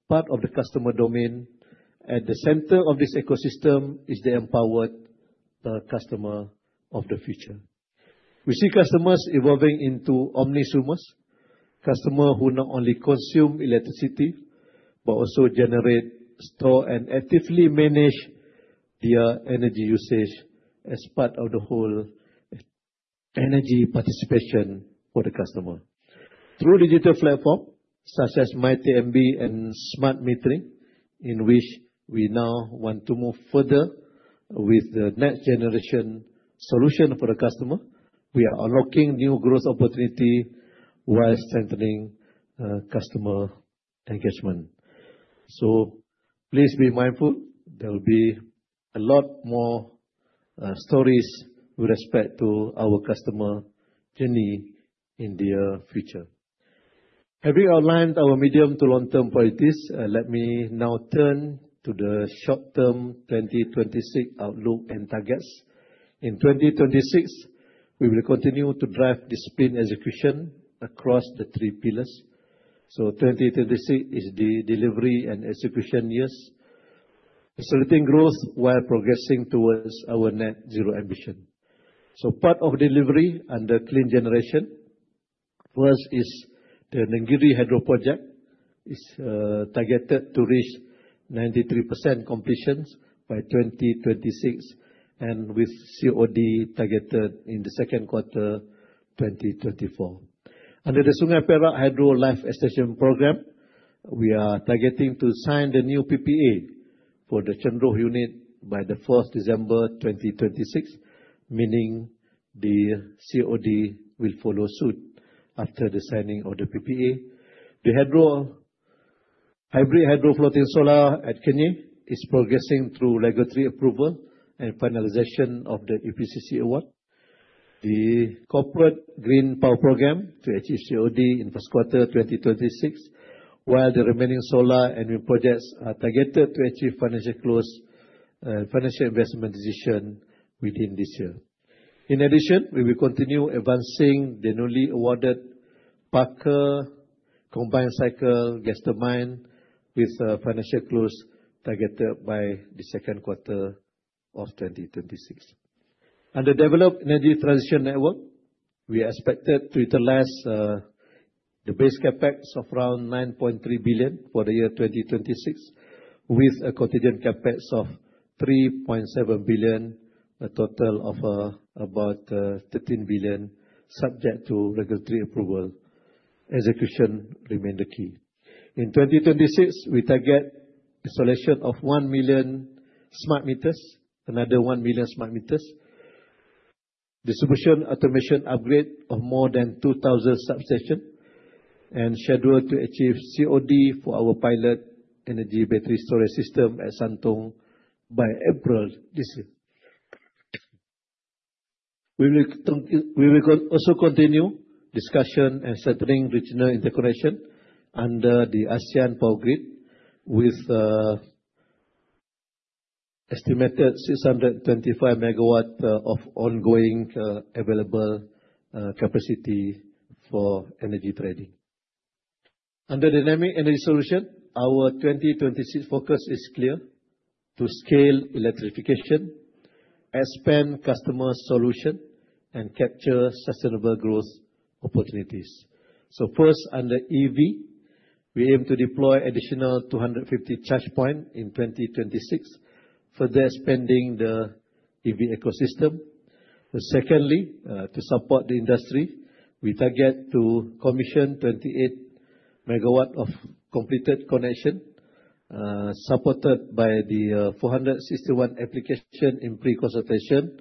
part of the customer domain. At the center of this ecosystem is the empowered customer of the future. We see customers evolving into omnsumers, customer who not only consume electricity, but also generate, store, and actively manage their energy usage as part of the whole energy participation for the customer. Through digital platform, such as myTNB and Smart Metering, in which we now want to move further with the next generation solution for the customer, we are unlocking new growth opportunity while strengthening customer engagement. Please be mindful, there will be a lot more stories with respect to our customer journey in the future. Having outlined our medium to long-term priorities, let me now turn to the short-term 2026 outlook and targets. In 2026, we will continue to drive discipline execution across the three pillars. 2026 is the delivery and execution years, facilitating growth while progressing towards our net zero ambition. Part of delivery under clean generation. First is the Nenggiri Hydroelectric Project is targeted to reach 93% completions by 2026, and with COD targeted in Q2 2024. Under the Sungai Perak Hydro Life Extension Program, we are targeting to sign the new PPA for the Chenderoh unit by December 4, 2026, meaning the COD will follow suit after the signing of the PPA. The Hydro, Hybrid Hydro floating solar at Kenyir is progressing through regulatory approval and finalization of the EPCC award. The Corporate Green Power Programme to achieve COD in Q1 2026, while the remaining solar and wind projects are targeted to achieve financial close, financial investment decision within this year. In addition, we will continue advancing the newly awarded Paka Combined Cycle Gas Turbine, with a financial close targeted by the Q2 of 2026. Under developed energy transition network, we are expected to utilize the base CapEx of around 9.3 billion for the year 2026, with a contingent CapEx of 3.7 billion, a total of about 13 billion, subject to regulatory approval. Execution remain the key. In 2026, we target installation of 1 million smart meters, another 1 million smart meters. Distribution automation upgrade of more than 2,000 substation, and schedule to achieve COD for our pilot energy battery storage system at Santong by April this year. We will also continue discussion and settling regional integration under the ASEAN Power Grid, with estimated 625 MW of ongoing available capacity for energy trading. Under dynamic energy solution, our 2026 focus is clear: to scale electrification, expand customer solution, and capture sustainable growth opportunities. First, under EV, we aim to deploy additional 250 charge point in 2026, further expanding the EV ecosystem. Secondly, to support the industry, we target to commission 28 MW of completed connection, supported by the 461 application in pre-consultation,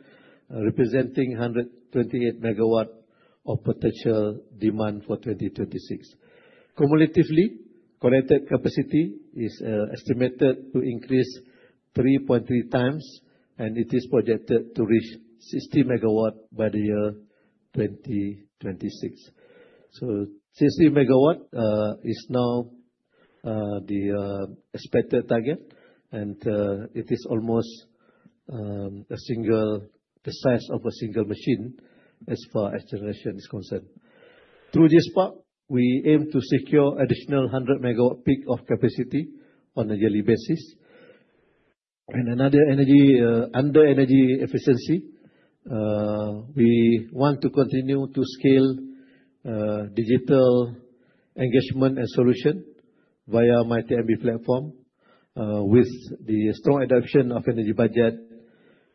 representing 128 MW of potential demand for 2026. Cumulatively, connected capacity is estimated to increase 3.3 times, and it is projected to reach 60 MW by the year 2026. 60 MW is now the expected target, and it is almost a single, the size of a single machine as far as generation is concerned. Through this part, we aim to secure additional 100 MW peak of capacity on a yearly basis. Another energy under energy efficiency, we want to continue to scale digital engagement and solution via myTNB platform with the strong adoption of energy budget,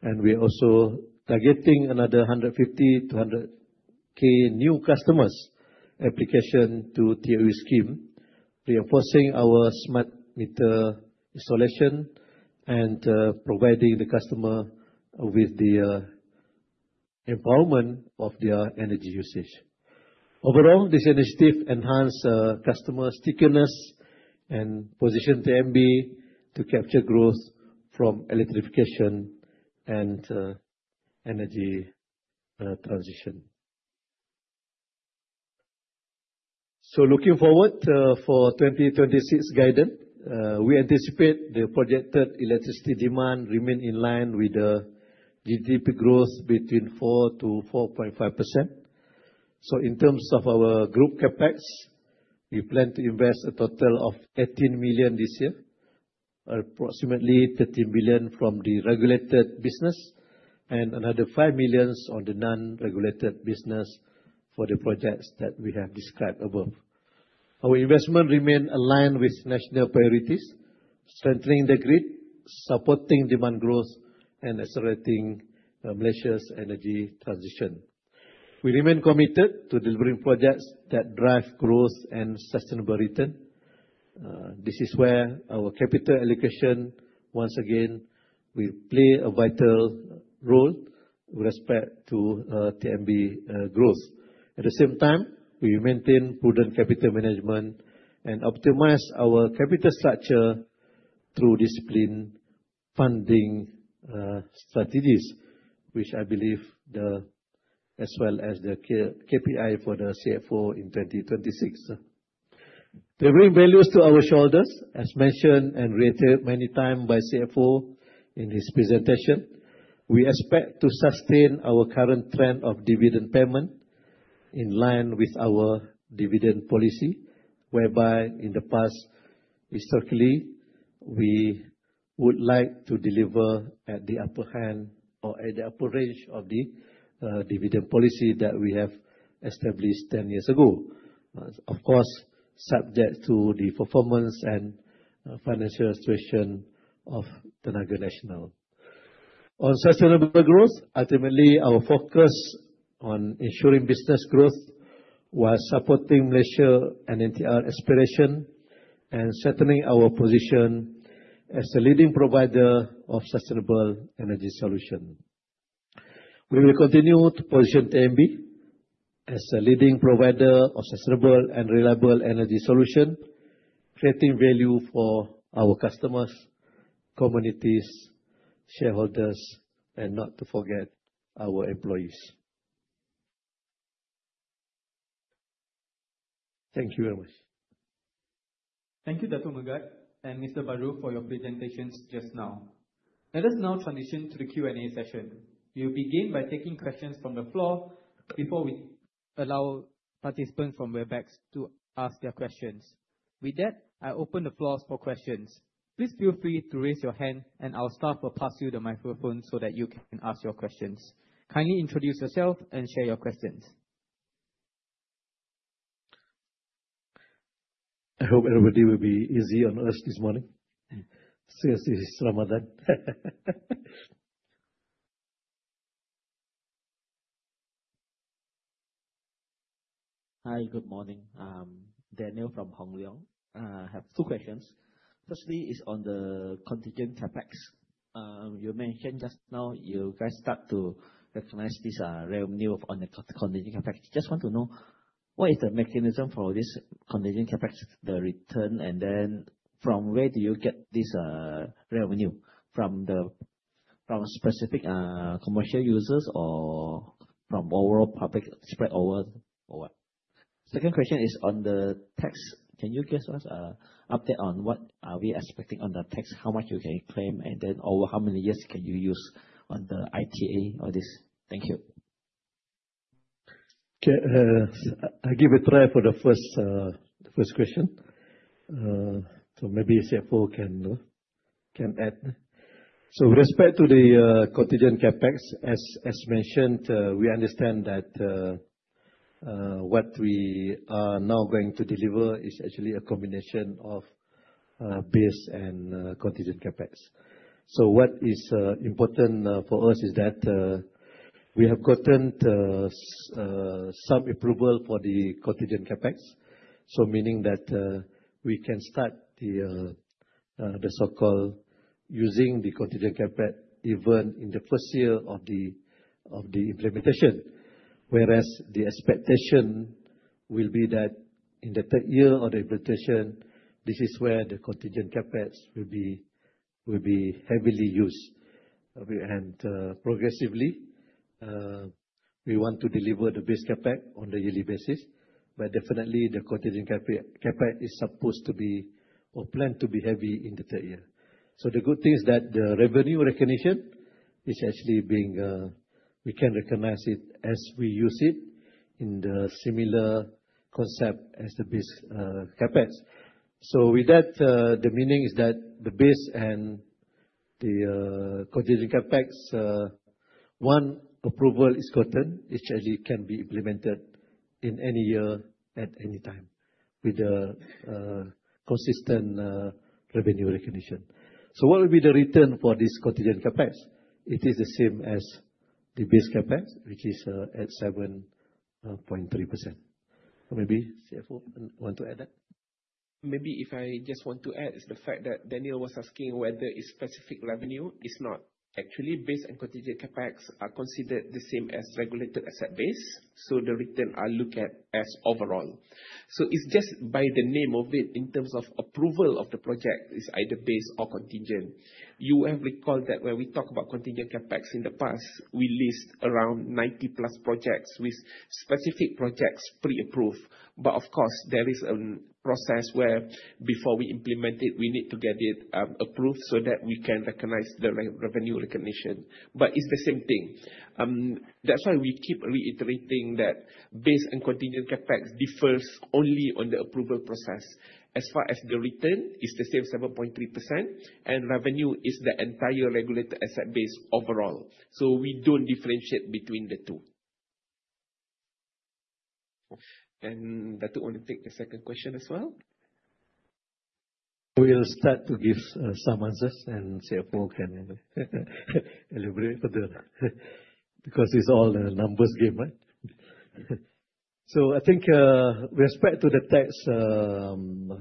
and we're also targeting another 150 to 100k new customers application to TOU scheme. We are forcing our smart meter installation and providing the customer with the empowerment of their energy usage. Overall, this initiative enhance customer stickiness and position TNB to capture growth from electrification and energy transition. Looking forward for 2026 guidance, we anticipate the projected electricity demand remain in line with the GDP growth between 4%-4.5%. In terms of our group CapEx, we plan to invest a total of 18 million this year, approximately 13 million from the regulated business, and another 5 million on the non-regulated business for the projects that we have described above. Our investment remain aligned with national priorities, strengthening the grid, supporting demand growth, and accelerating Malaysia's energy transition. We remain committed to delivering projects that drive growth and sustainable return. This is where our capital allocation, once again, will play a vital role with respect to TNB growth. At the same time, we maintain prudent capital management and optimize our capital structure through disciplined funding strategies, which I believe as well as the KPI for the CFO in 2026. Delivering values to our shareholders, as mentioned and reiterated many times by CFO in his presentation, we expect to sustain our current trend of dividend payment in line with our dividend policy, whereby in the past, historically, we would like to deliver at the upper hand or at the upper range of the dividend policy that we have established 10 years ago. Of course, subject to the performance and financial situation of Tenaga Nasional. On sustainable growth, ultimately, our focus on ensuring business growth while supporting Malaysia and NETR aspiration, and settling our position as a leading provider of sustainable energy solution. We will continue to position TNB as a leading provider of sustainable and reliable energy solution, creating value for our customers, communities, shareholders, and not to forget, our employees. Thank you very much. Thank you, Dato' Megat and Mr. Baharudin, for your presentations just now. Let us now transition to the Q&A session. We will begin by taking questions from the floor before we allow participants from Webex to ask their questions. With that, I open the floors for questions. Please feel free to raise your hand, and our staff will pass you the microphone so that you can ask your questions. Kindly introduce yourself and share your questions. I hope everybody will be easy on us this morning, since it is Ramadan. Hi, good morning. Daniel from Hong Leong. I have two questions. Firstly, is on the contingent CapEx. You mentioned just now, you guys start to recognize this revenue on the contingent CapEx. Just want to know, what is the mechanism for this contingent CapEx, the return, and then from where do you get this revenue? From specific commercial users or from overall public spread over, or what? Second question is on the tax. Can you give us update on what are we expecting on the tax, how much you can claim, and then over how many years can you use on the ITA on this? Thank you. Okay, I give a try for the first question. Maybe CFO can add. With respect to the contingent CapEx, as mentioned, we understand that what we are now going to deliver is actually a combination of base and contingent CapEx. What is important for us, is that we have gotten some approval for the contingent CapEx, meaning that we can start the so-called using the contingent CapEx even in the first year of the implementation. Whereas, the expectation will be that in the third year of the implementation, this is where the contingent CapEx will be heavily used. Progressively, we want to deliver the base CapEx on a yearly basis, but definitely the contingent CapEx is supposed to be or planned to be heavy in the third year. The good thing is that the revenue recognition. It's actually being, we can recognize it as we use it in the similar concept as the base CapEx. With that, the meaning is that the base and the contingent CapEx, one approval is gotten, which actually can be implemented in any year, at any time, with the consistent revenue recognition. What will be the return for this contingent CapEx? It is the same as the base CapEx, which is at 7.3%. Maybe CFO want to add that? Maybe if I just want to add is the fact that Daniel was asking whether it's specific revenue. It's not. Actually, base and contingent CapEx are considered the same as regulated asset base, so the return are looked at as overall. It's just by the name of it, in terms of approval of the project, is either base or contingent. You have recalled that when we talk about contingent CapEx in the past, we list around 90-plus projects with specific projects pre-approved. Of course, there is a process where before we implement it, we need to get it approved so that we can recognize the revenue recognition. It's the same thing. That's why we keep reiterating that base and contingent CapEx differs only on the approval process. As far as the return, it's the same 7.3%, and revenue is the entire regulated asset base overall. We don't differentiate between the two. Dato, want to take the second question as well? We'll start to give some answers, and CFO can elaborate on the... Because it's all a numbers game, right? I think with respect to the tax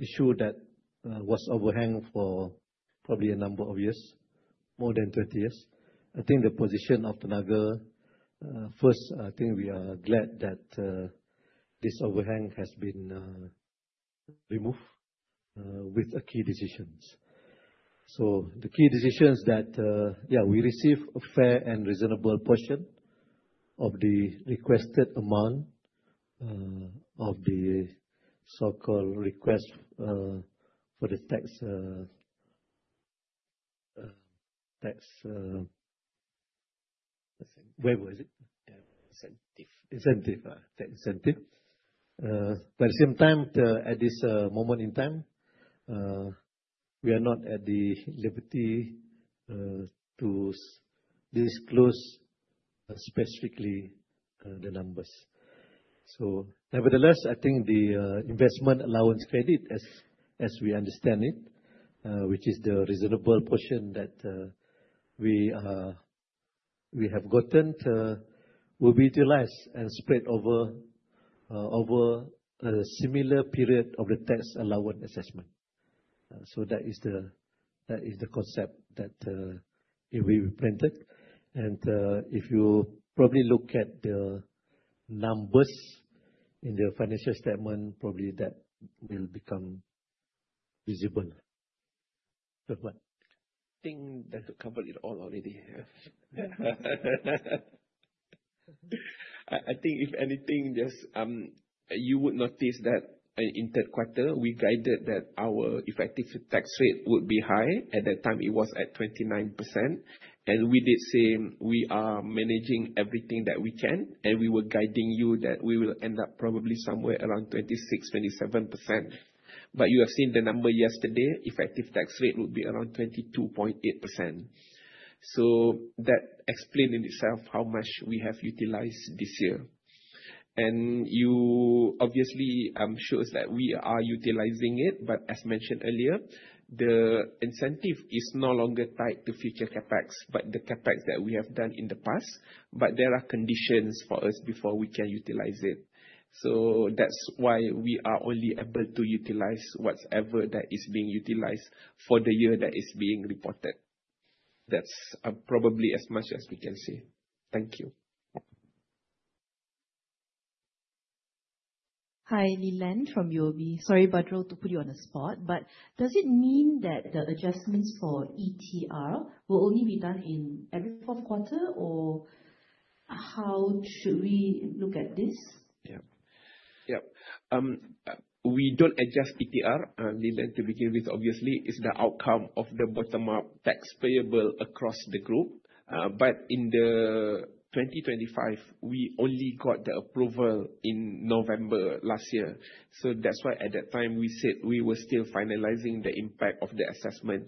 issue that was overhang for probably a number of years, more than 30 years, I think the position of Tenaga, first, I think we are glad that this overhang has been removed with a key decisions. The key decisions that, yeah, we receive a fair and reasonable portion of the requested amount of the so-called request for the tax, let's see, where was it? Incentive. Incentive, tax incentive. At the same time, at this moment in time, we are not at the liberty to disclose specifically the numbers. Nevertheless, I think the investment allowance credit, as we understand it, which is the reasonable portion that we have gotten, will be utilized and spread over a similar period of the tax allowance assessment. That is the concept that it will be printed. If you probably look at the numbers in the financial statement, probably that will become visible. Dato, what? I think Dato' covered it all already. I think if anything, just, you would notice that in Q3, we guided that our effective tax rate would be high. At that time, it was at 29%, We did say we are managing everything that we can, We were guiding you that we will end up probably somewhere around 26%-27%. You have seen the number yesterday, effective tax rate would be around 22.8%. That explain in itself how much we have utilized this year. You obviously, I'm sure that we are utilizing it, but as mentioned earlier, the incentive is no longer tied to future CapEx, but the CapEx that we have done in the past, but there are conditions for us before we can utilize it. That's why we are only able to utilize whatever that is being utilized for the year that is being reported. That's probably as much as we can say. Thank you. Hi, Ni Len from UOB. Sorry, Badrul, to put you on the spot. Does it mean that the adjustments for ETR will only be done in every Q4, or how should we look at this? Yep. Yep. We don't adjust ETR, Ni Len, to begin with, obviously. It's the outcome of the bottom-up tax payable across the group. In 2025, we only got the approval in November last year. That's why, at that time, we said we were still finalizing the impact of the assessment.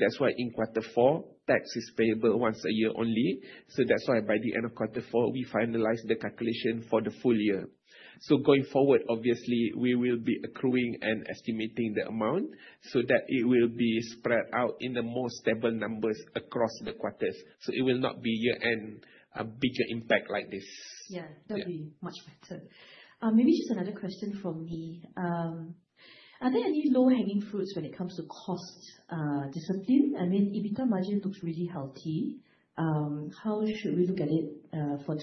That's why in quarter four, tax is payable once a year only. That's why by the end of quarter four, we finalize the calculation for the full year. Going forward, obviously, we will be accruing and estimating the amount so that it will be spread out in the more stable numbers across the quarters, so it will not be year-end, a bigger impact like this. Yeah. Yeah. That'd be much better. Maybe just another question from me. Are there any low-hanging fruits when it comes to cost discipline? I mean, EBITDA margin looks really healthy. How should we look at it for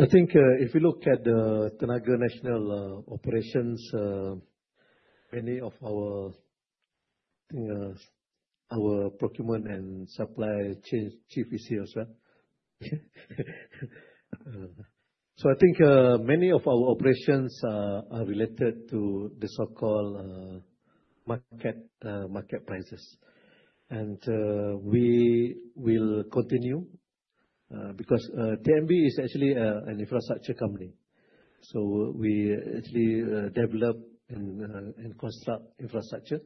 2026 year? Yep. u look at the Tenaga Nasional operations, many of our— I think our procurement and supply chain chief is here as well. So I think many of our operations are related to the so-called market prices. And we will continue because TNB is actually an infrastructure company, so we actually develop and construct infrastructure.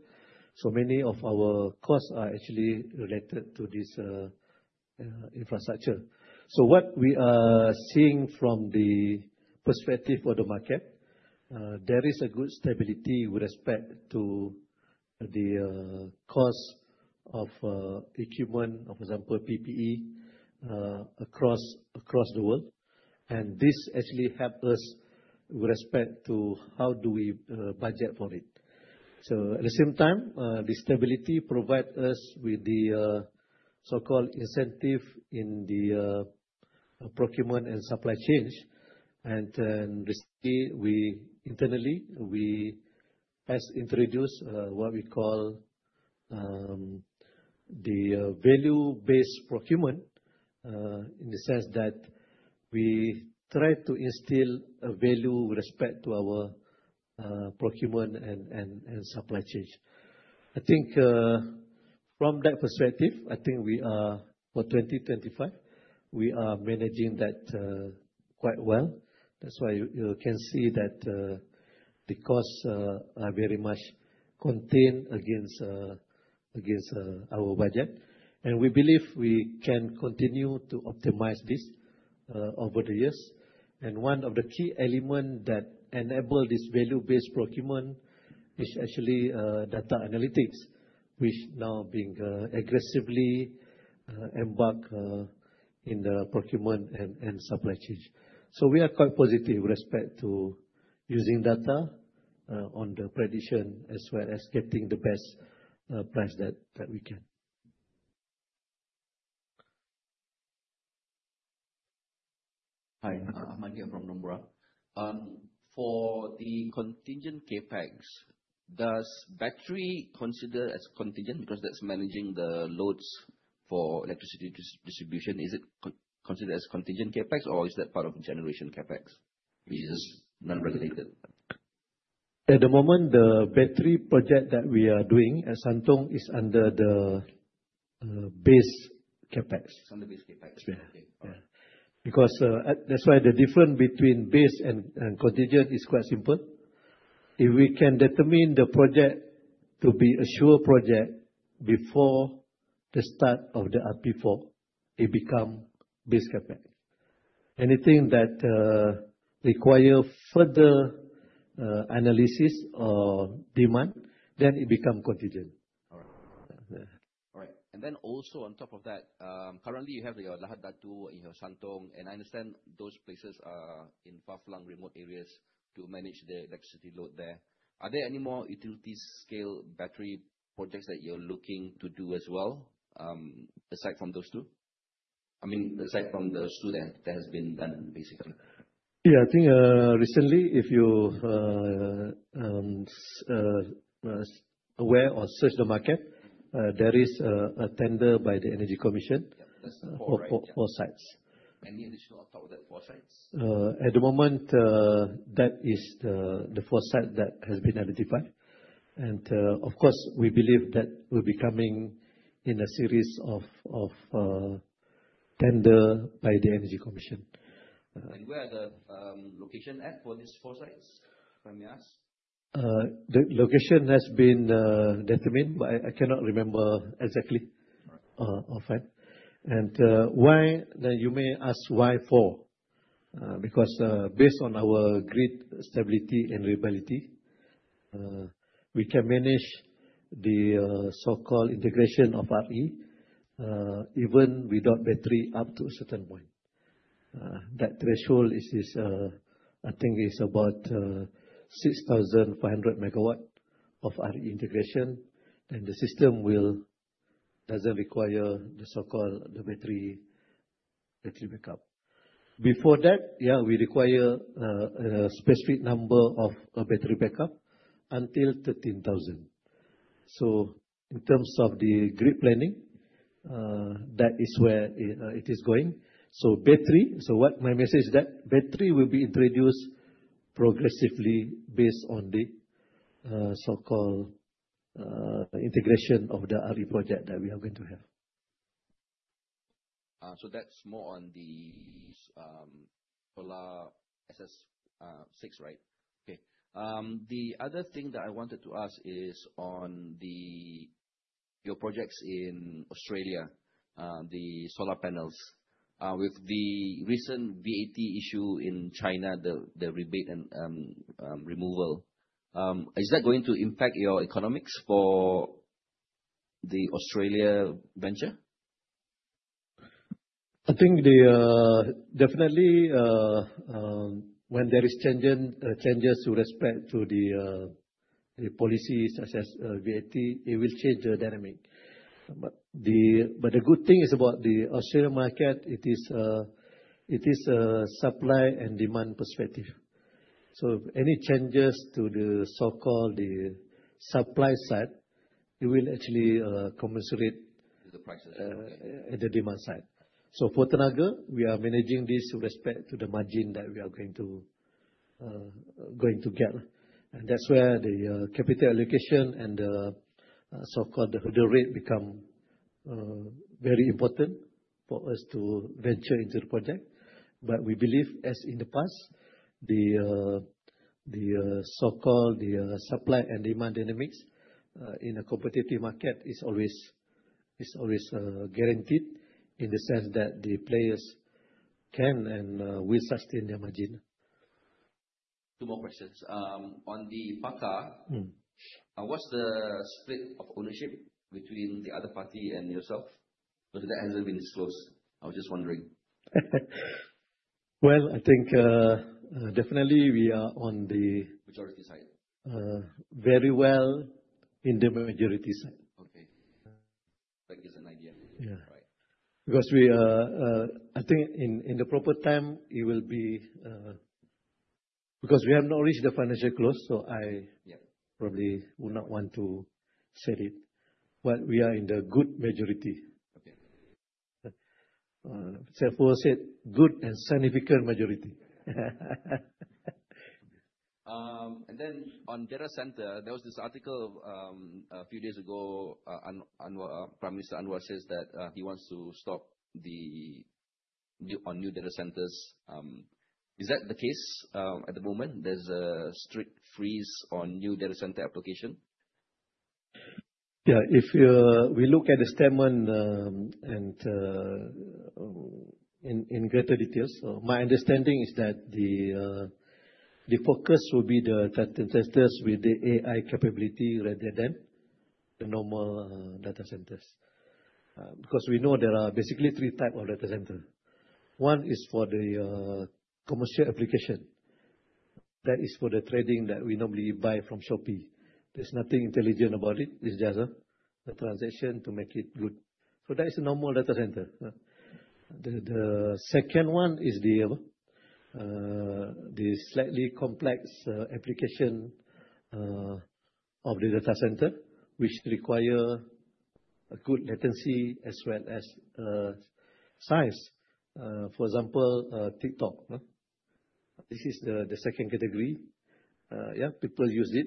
So many of our costs are actually related to this infrastructure. So what we are seeing from the perspective of the market, there is a good stability with respect to the cost of equipment, for example, PPE, across the world. And this actually help us with respect to how do we budget for it At the same time, the stability provide us with the so-called incentive in the procurement and supply chain, and then this day, we internally, we has introduced what we call the value-based procurement in the sense that we try to instill a value with respect to our procurement and supply chain. I think, from that perspective, I think we are, for 2025, we are managing that quite well. That's why you can see that the cost are very much contained against our budget. We believe we can continue to optimize this over the years. One of the key elements that enable this value-based procurement is actually data analytics, which now being aggressively embark in the procurement and supply chain. We are quite positive with respect to using data, on the prediction, as well as getting the best, price that we can. Hi, Manny from Nomura. For the contingent CapEx, does battery consider as contingent? Because that's managing the loads for electricity distribution. Is it considered as contingent CapEx, or is that part of generation CapEx, which is non-regulated? At the moment, the battery project that we are doing at Santong is under the base CapEx. Under the base CapEx? Yeah. Okay. Yeah. Because, that's why the difference between base and contingent is quite simple. If we can determine the project to be a sure project before the start of the RP4, it become base CapEx. Anything that require further analysis or demand, then it become contingent. All right. Yeah. All right. Also on top of that, currently, you have your Lahad Datu and your Santong, and I understand those places are in far-flung remote areas to manage the electricity load there. Are there any more utility-scale battery projects that you're looking to do as well, aside from those two? I mean, aside from the two that has been done, basically. Yeah. I think, recently, if you, aware or search the market, there is a tender by the Energy Commission. Yeah. For four sites. Any additional apart from the 4 sites? At the moment, that is the 4 site that has been identified. Of course, we believe that will be coming in a series of tender by the Energy Commission. Where are the location at for these four sites, if I may ask? The location has been determined, but I cannot remember exactly offhand. Why, that you may ask why four? Based on our grid stability and reliability, we can manage the so-called integration of RE even without battery up to a certain point. That threshold is, I think is about 6,500 MW of RE integration, and the system doesn't require the so-called battery backup. Before that, yeah, we require a specific number of battery backup until 13,000. In terms of the grid planning, that is where it is going. Battery, so what my message that battery will be introduced progressively based on the so-called integration of the RE project that we are going to have. That's more on the solar asset 6, right? Okay. The other thing that I wanted to ask is on the, your projects in Australia, the solar panels. With the recent VAT issue in China, the rebate and removal, is that going to impact your economics for the Australia venture? I think definitely when there is changes with respect to the policy such as VAT, it will change the dynamic. The good thing is about the Australian market, it is a supply and demand perspective. Any changes to the so-called, the supply side, it will actually. at the demand side. For Tenaga, we are managing this with respect to the margin that we are going to get, and that's where the capital allocation and the so-called, the rate become very important for us to venture into the project. We believe, as in the past, the so-called, the supply and demand dynamics in a competitive market is always guaranteed, in the sense that the players can and will sustain their margin. Two more questions. On the Paka. Mm. What's the split of ownership between the other party and yourself? That hasn't been disclosed? I was just wondering. I think definitely we are. Majority side. Very well in the majority side. Okay. Uh. That gives an idea. Yeah. Right. We are I think in the proper time, it will be because we have not reached the financial close. Yeah... probably would not want to say it, but we are in the good majority. Okay. For said, good and significant majority. On data center, there was this article, a few days ago, Anwar, Prime Minister Anwar, says that he wants to stop on new data centers. Is that the case, at the moment, there's a strict freeze on new data center application? If we look at the statement and in greater details, my understanding is that the focus will be the data centers with the AI capability rather than the normal data centers. Because we know there are basically three type of data center. One is for the commercial application. That is for the trading that we normally buy from Shopee. There's nothing intelligent about it's just the transaction to make it good. That is a normal data center. The second one is the slightly complex application of the data center, which require a good latency as well as size. For example, TikTok. This is the second category. Yeah, people use it,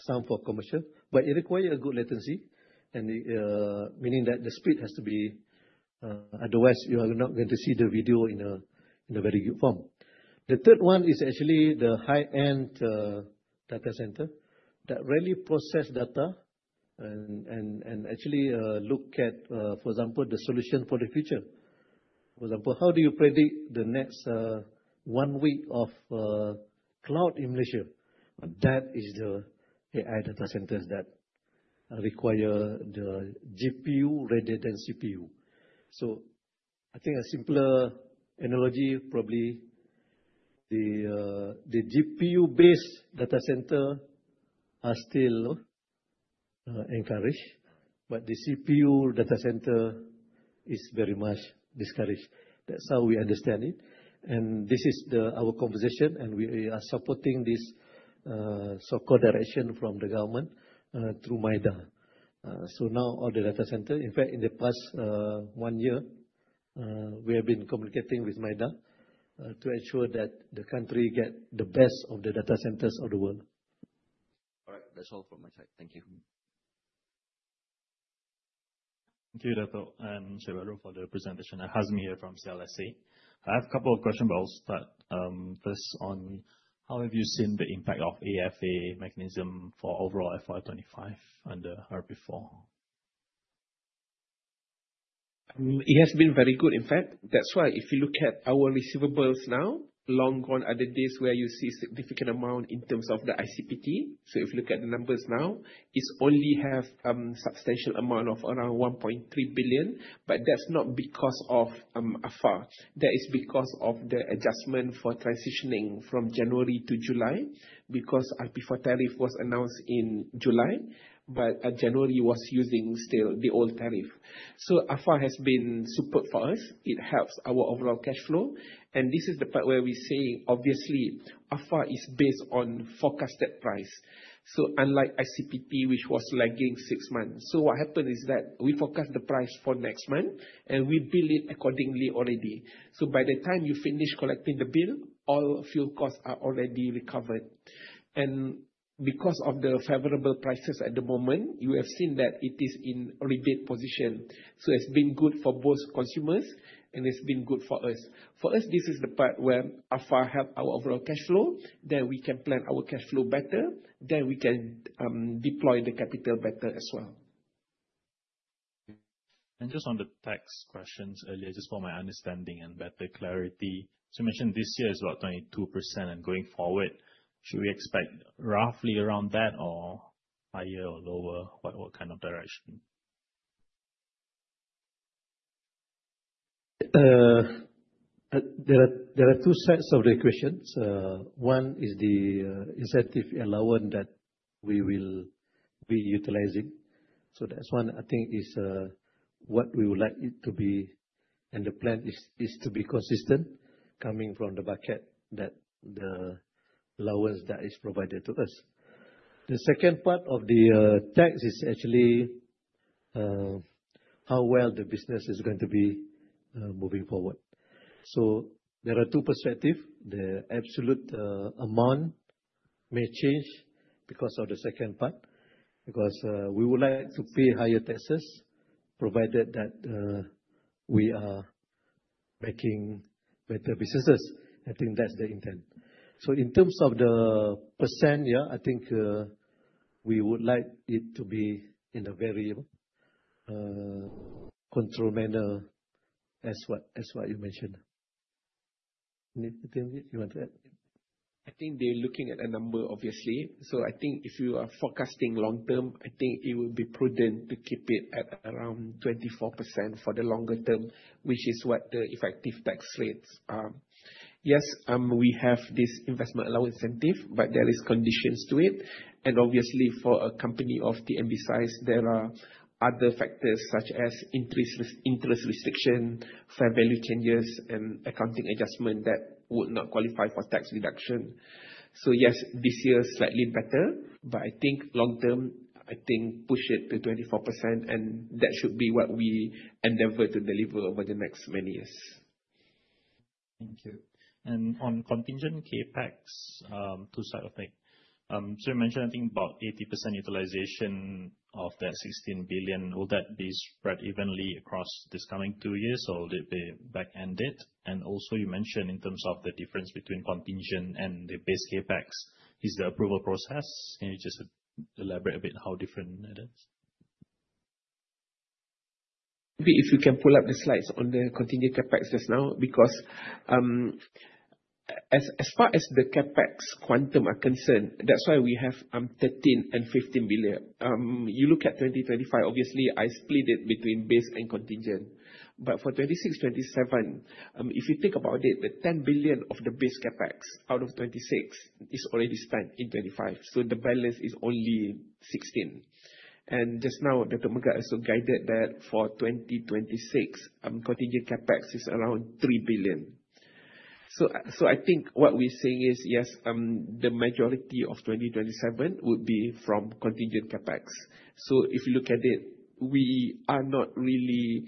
some for commercial, but it require a good latency and meaning that the speed has to be, otherwise you are not going to see the video in a very good form. The third one is actually the high-end data center that really process data and actually look at, for example, the solution for the future. For example, how do you predict the next 1 week of cloud in Malaysia? That is the AI data centers that require the GPU rather than CPU. I think a simpler analogy, probably the GPU-based data center are still encouraged, but the CPU data center is very much discouraged. That's how we understand it, and this is our conversation, and we are supporting this so-called direction from the government through MIDA. Now all the data center, in fact, in the past 1 year, we have been communicating with MIDA to ensure that the country get the best of the data centers of the world. All right. That's all from my side. Thank you. Thank you, Dato', and Sivarajan, for the presentation. I have here from CLSA. I have a couple of questions, but I'll start, first how have you seen the impact of AFA mechanism for overall FY 2025 under RP4? It has been very good. That's why if you look at our receivables now, long gone are the days where you see significant amount in terms of the ICPT. If you look at the numbers now, it's only have substantial amount of around 1.3 billion, that's not because of AFA. That is because of the adjustment for transitioning from January to July, because RP4 tariff was announced in July, January was using still the old tariff. AFA has been super for us. It helps our overall cash flow, this is the part where we say, obviously, AFA is based on forecasted price, unlike ICPT, which was lagging six months. What happened is that we forecast the price for next month, we bill it accordingly already. By the time you finish collecting the bill, all fuel costs are already recovered. Because of the favorable prices at the moment, you have seen that it is in rebate position. It's been good for both consumers, and it's been good for us. For us, this is the part where AFA help our overall cash flow, then we can plan our cash flow better, then we can deploy the capital better as well. Just on the tax questions earlier, just for my understanding and better clarity, you mentioned this year is about 22% and going forward, should we expect roughly around that or higher or lower? What kind of direction? There are two sets of the equations. One is the incentive allowance that we will be utilizing. That's one, I think, is what we would like it to be. The plan is to be consistent coming from the bucket that the allowance that is provided to us. The second part of the tax is actually how well the business is going to be moving forward. There are two perspective. The absolute amount may change because of the second part, because we would like to pay higher taxes, provided that we are making better businesses. I think that's the intent. In terms of the %, yeah, I think we would like it to be in a very controlled manner, as what you mentioned. Anything, you want to add? I think they're looking at a number, obviously. I think if you are forecasting long term, I think it would be prudent to keep it at around 24% for the longer term, which is what the effective tax rates are. Yes, we have this investment allowance incentive, but there is conditions to it. Obviously, for a company of TNB size, there are other factors such as interest restriction, fair value changes and accounting adjustment that would not qualify for tax reduction. Yes, this year slightly better, but I think long term, I think push it to 24%, and that should be what we endeavor to deliver over the next many years. Thank you. On contingent CapEx, two side of thing. You mentioned, I think, about 80% utilization of that 16 billion. Will that be spread evenly across this coming two years, or will it be back-ended? Also, you mentioned in terms of the difference between contingent and the base CapEx is the approval process. Can you just elaborate a bit how different it is? If you can pull up the slides on the contingent CapEx just now, because as far as the CapEx quantum are concerned, that's why we have 13 billion and 15 billion. You look at 2025, obviously, I split it between base and contingent. For 2026, 2027, if you think about it, the 10 billion of the base CapEx out of 2026 is already spent in 2025, so the balance is only 16 billion. Just now, Dr. also guided that for 2026, contingent CapEx is around 3 billion. I think what we're saying is, yes, the majority of 2027 would be from contingent CapEx. If you look at it, we are not really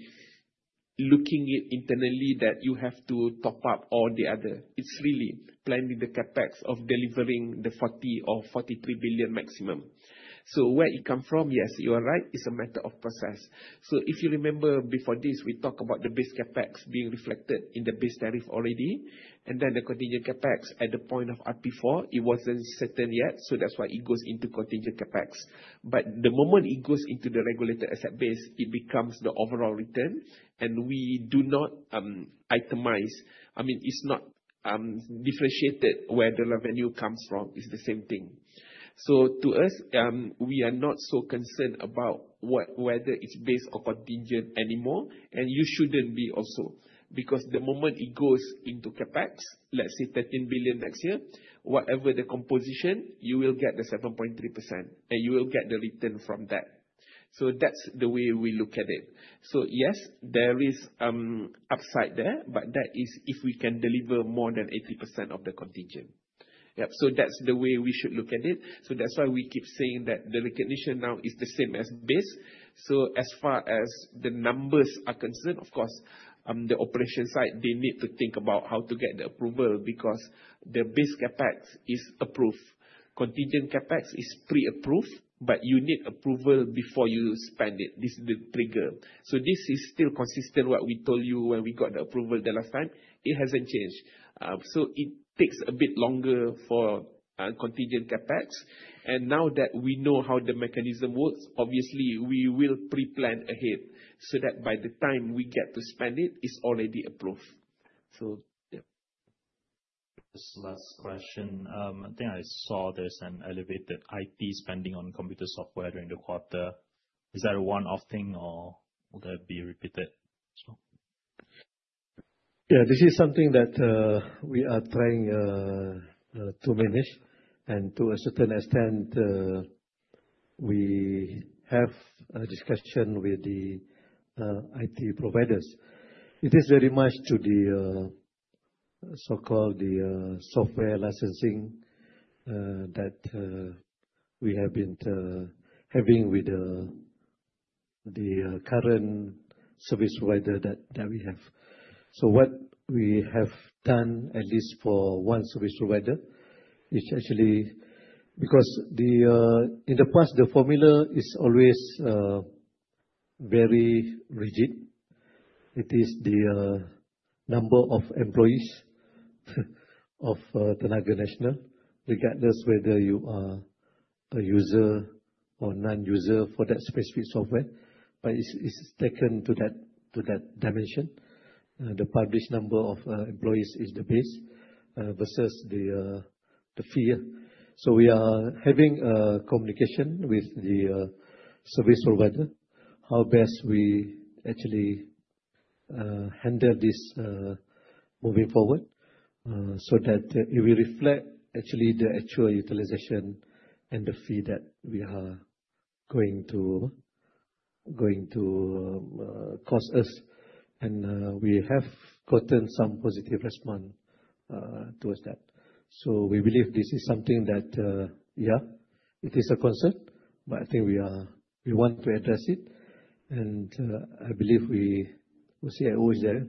looking internally, that you have to top up all the other. It's really planning the CapEx of delivering the 40 billion or 43 billion maximum. Where it come from, yes, you are right, it's a matter of process. If you remember before this, we talk about the base CapEx being reflected in the base tariff already, and then the contingent CapEx at the point of RP4, it wasn't certain yet, that's why it goes into contingent CapEx. The moment it goes into the regulated asset base, it becomes the overall return, and we do not itemize. I mean, it's not differentiated where the revenue comes from. It's the same thing. To us, we are not so concerned about whether it's base or contingent anymore. You shouldn't be also, because the moment it goes into CapEx, let's say 13 billion next year, whatever the composition, you will get the 7.3%, and you will get the return from that. That's the way we look at it. Yes, there is upside there, but that is if we can deliver more than 80% of the contingent. Yep. That's the way we should look at it. That's why we keep saying that the recognition now is the same as base. As far as the numbers are concerned, of course, the operation side, they need to think about how to get the approval, because the base CapEx is approved. Contingent CapEx is pre-approved, but you need approval before you spend it. This is the trigger. This is still consistent what we told you when we got the approval the last time. It hasn't changed. It takes a bit longer for contingent CapEx. Now that we know how the mechanism works, obviously we will pre-plan ahead so that by the time we get to spend it's already approved. Yeah. Just last question. I think I saw there's an elevated IT spending on computer software during the quarter. Is that a one-off thing or will that be repeated? Yeah, this is something that we are trying to manage. To a certain extent, we have a discussion with the IT providers. It is very much to the so-called the software licensing that we have been having with the current service provider that we have. What we have done, at least for one service provider, is actually... Because the in the past, the formula is always very rigid. It is the number of employees of Tenaga Nasional, regardless whether you are a user or non-user for that specific software, but it's taken to that dimension. The published number of employees is the base versus the fee. We are having a communication with the service provider how best we actually handle this moving forward so that it will reflect actually the actual utilization and the fee that we are charging. Going to cost us, and we have gotten some positive response towards that. We believe this is something that, yeah, it is a concern, but I think we want to address it, and I believe we, the CIO is there,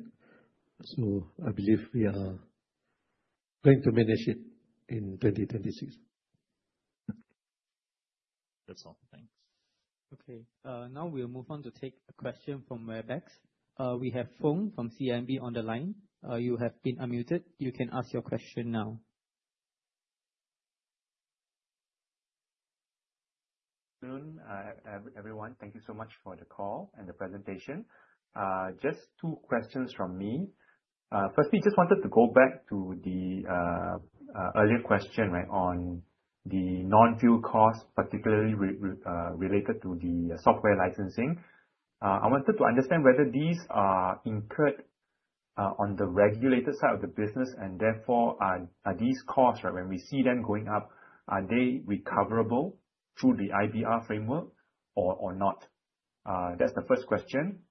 so I believe we are going to manage it in 2026. That's all. Thanks. Okay. Now we'll move on to take a question from Webex. We have Fung from CIMB on the line. You have been unmuted. You can ask your question now. Good everyone, thank you so much for the call and the presentation. Just two questions from me. Firstly, just wanted to go back to the earlier question, right, on the non-fuel costs, particularly related to the software licensing. I wanted to understand whether these are incurred on the regulated side of the business, and therefore, are these costs, right, when we see them going up, are they recoverable through the IBR framework or not? That's the first question.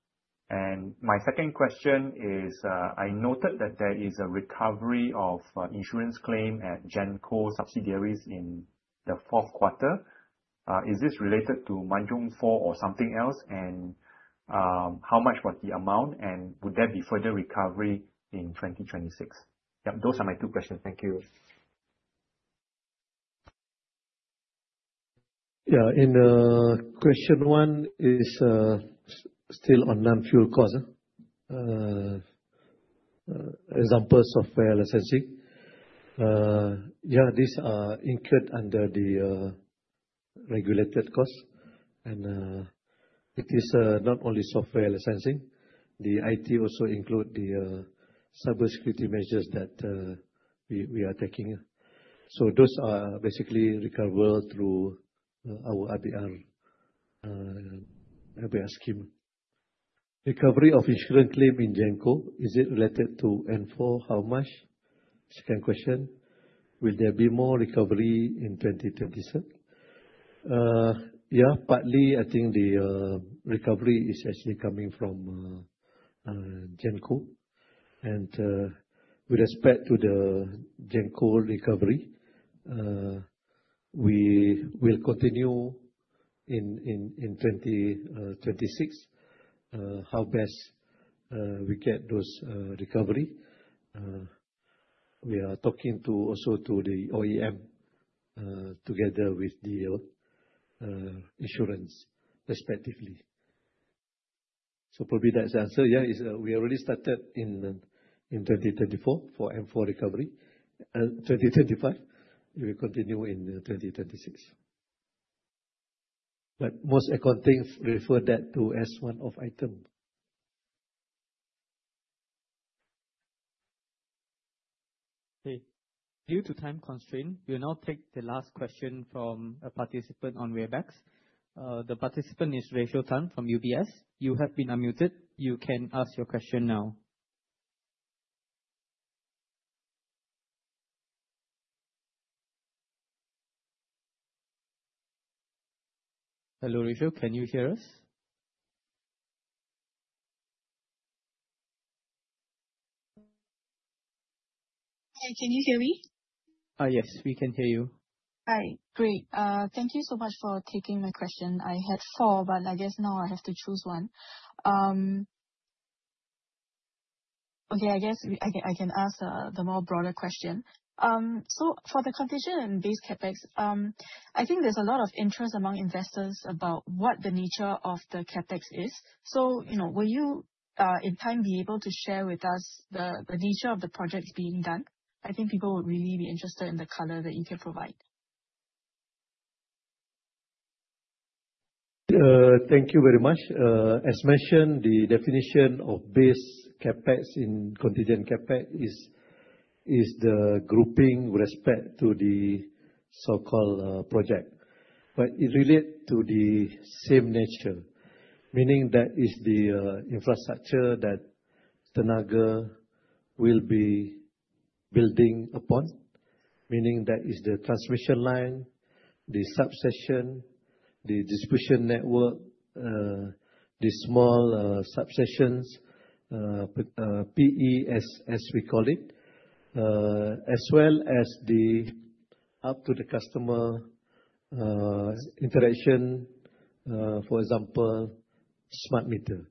My second question is, I noted that there is a recovery of insurance claim at TNB Genco subsidiaries in the Q4. Is this related to Manjung 4 or something else? How much was the amount, and would there be further recovery in 2026? Those are my two questions. Thank you. Yeah. In question one is still on non-fuel cost, example, software licensing. Yeah, these are incurred under the regulated cost, and it is not only software licensing. The IT also include the cybersecurity measures that we are taking. Those are basically recovered through our IBR scheme. Recovery of insurance claim in Genco, is it related to N4, how much? Second question: will there be more recovery in 2027? Yeah, partly, I think the recovery is actually coming from Genco. With respect to the Genco recovery, we will continue in 2026, how best we get those recovery. We are talking to, also to the OEM, together with the insurance respectively. Probably that's the answer. Yeah, we already started in 2024 for RP4 recovery and 2025. We will continue in 2026. Most accounting refer that to as one-off item. Okay. Due to time constraint, we'll now take the last question from a participant on Webex. The participant is Rachel Tan from UBS. You have been unmuted. You can ask your question now. Hello, Rachel, can you hear us? Hi, can you hear me? Yes, we can hear you. Hi. Great. Thank you so much for taking my question. I had 4, but I guess now I have to choose one. Okay, I guess I can ask the more broader question. For the contingent and base CapEx, I think there's a lot of interest among investors about what the nature of the CapEx is. You know, will you, in time, be able to share with us the nature of the projects being done? I think people would really be interested in the color that you can provide. Thank you very much. As mentioned, the definition of base CapEx in contingent CapEx is the grouping with respect to the so-called project, but it relate to the same nature. Meaning that is the infrastructure that Tenaga will be building upon, meaning that is the transmission line, the substation, the distribution network, the small substations, PES, as we call it, as well as the up to the customer interaction, for example, smart meter.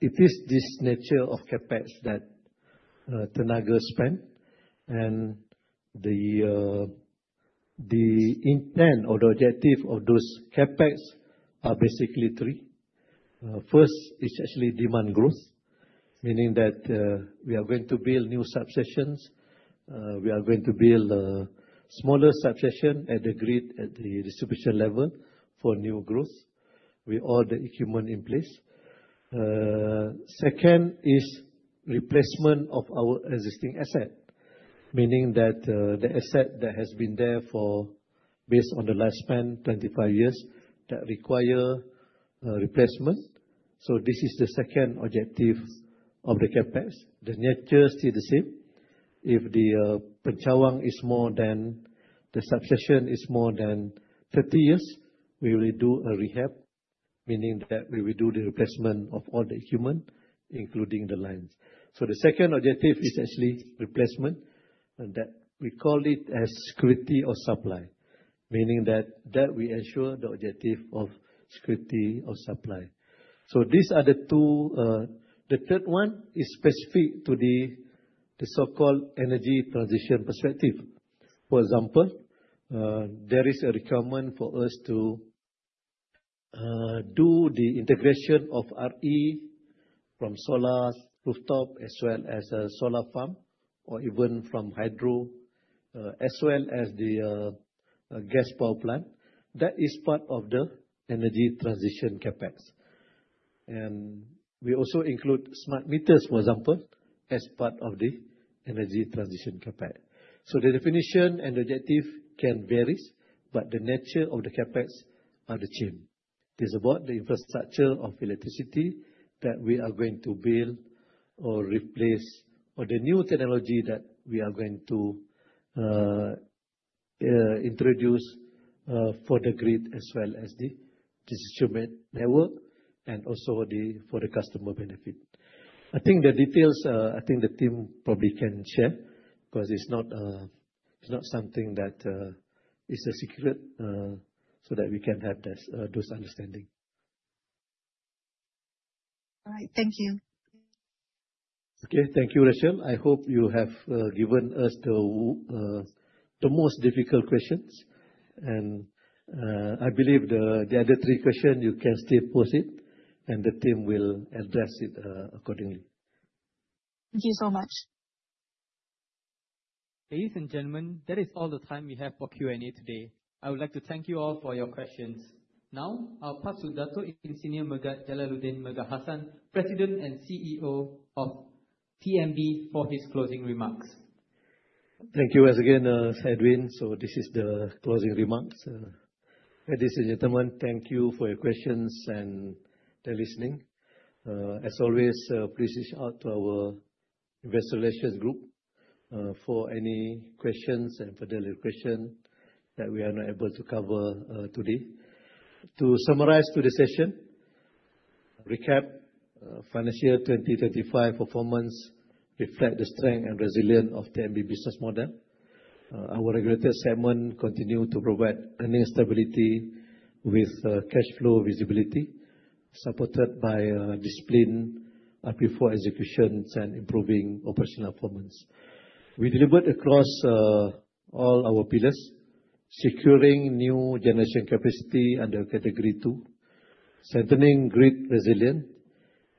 It is this nature of CapEx that Tenaga spend, and the intent or the objective of those CapEx are basically three. First, it's actually demand growth, meaning that we are going to build new substations. We are going to build smaller substation at the grid, at the distribution level for new growth. We all the equipment in place. Second is replacement of our existing asset, meaning that, the asset that has been there for, based on the lifespan, 25 years, that require replacement. This is the second objective of the CapEx. The nature is still the same. If the, Pencawang is more than, the succession is more than 30 years, we will do a rehab, meaning that we will do the replacement of all the human, including the lines. The second objective is actually replacement, and that we call it as security of supply, meaning that we ensure the objective of security of supply. These are the two. The third one is specific to the so-called energy transition perspective. For example, there is a requirement for us to do the integration of RE from solar rooftop, as well as a solar farm, or even from hydro, as well as the gas power plant. That is part of the energy transition CapEx. We also include smart meters, for example, as part of the energy transition CapEx. The definition and objective can varies, but the nature of the CapEx are the same. It's about the infrastructure of electricity that we are going to build or replace, or the new technology that we are going to introduce for the grid, as well as the distribution network and also the, for the customer benefit. I think the details, I think the team probably can share, 'cause it's not, it's not something that, is a secret, so that we can have this, those understanding. All right. Thank you. Okay. Thank you, Rachel. I hope you have given us the most difficult questions, and I believe the other three question, you can still pose it, and the team will address it accordingly. Thank you so much. Ladies and gentlemen, that is all the time we have for Q&A today. I would like to thank you all for your questions. Now, I'll pass to Dato' Ir Megat Jalaludin Megat Hassan, President and CEO of TNB, for his closing remarks. Thank you once again, Sharwin. This is the closing remarks. Ladies and gentlemen, thank you for your questions and the listening. As always, please reach out to our Investor Relations group for any questions and further question that we are not able to cover today. To summarize today's session, recap, financial 2035 performance reflect the strength and resilience of TNB business model. Our regulated segment continue to provide earnings stability with cash flow visibility, supported by disciplined CapEx before executions and improving operational performance. We delivered across all our pillars, securing new generation capacity under Category 2, strengthening grid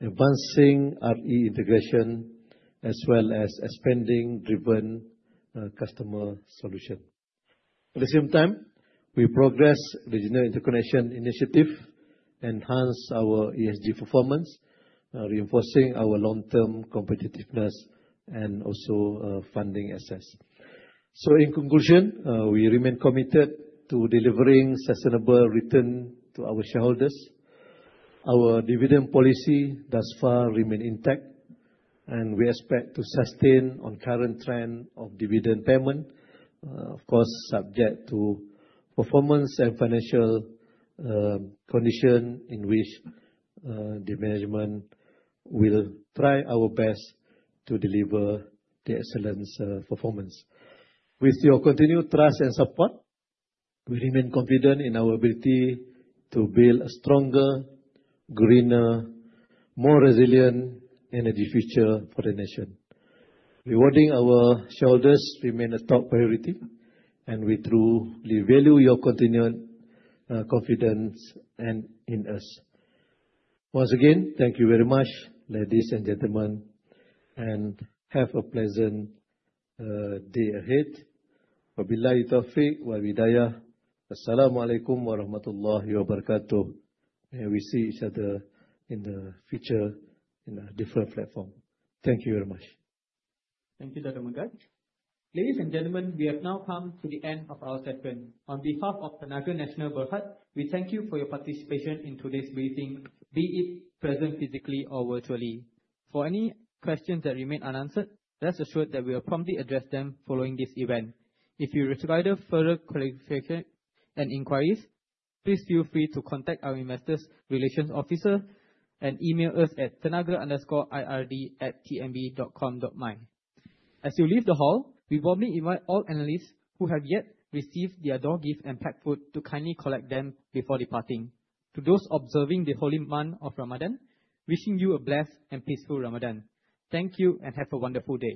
resilience, advancing RE integration, as well as expanding driven customer solution. At the same time, we progress the interconnection initiative, enhance our ESG performance, reinforcing our long-term competitiveness and also funding access. In conclusion, we remain committed to delivering sustainable return to our shareholders. Our dividend policy thus far remain intact, and we expect to sustain on current trend of dividend payment, of course, subject to performance and financial condition, in which the management will try our best to deliver the excellence performance. With your continued trust and support, we remain confident in our ability to build a stronger, greener, more resilient energy future for the nation. Rewarding our shareholders remain a top priority, and we truly value your continued confidence and in us. Once again, thank you very much, ladies and gentlemen, and have a pleasant day ahead. May we see each other in the future in a different platform. Thank you very much. Thank you, Dato' Megat. Ladies and gentlemen, we have now come to the end of our session. On behalf of Tenaga Nasional Berhad, we thank you for your participation in today's meeting, be it present, physically or virtually. For any questions that remain unanswered, rest assured that we will promptly address them following this event. If you require the further clarification and inquiries, please feel free to contact our investor relations officer and email us at tenaga_ird@tnb.com.my. As you leave the hall, we warmly invite all analysts who have yet received their door gift and packed food to kindly collect them before departing. To those observing the holy month of Ramadan, wishing you a blessed and peaceful Ramadan. Thank you, and have a wonderful day.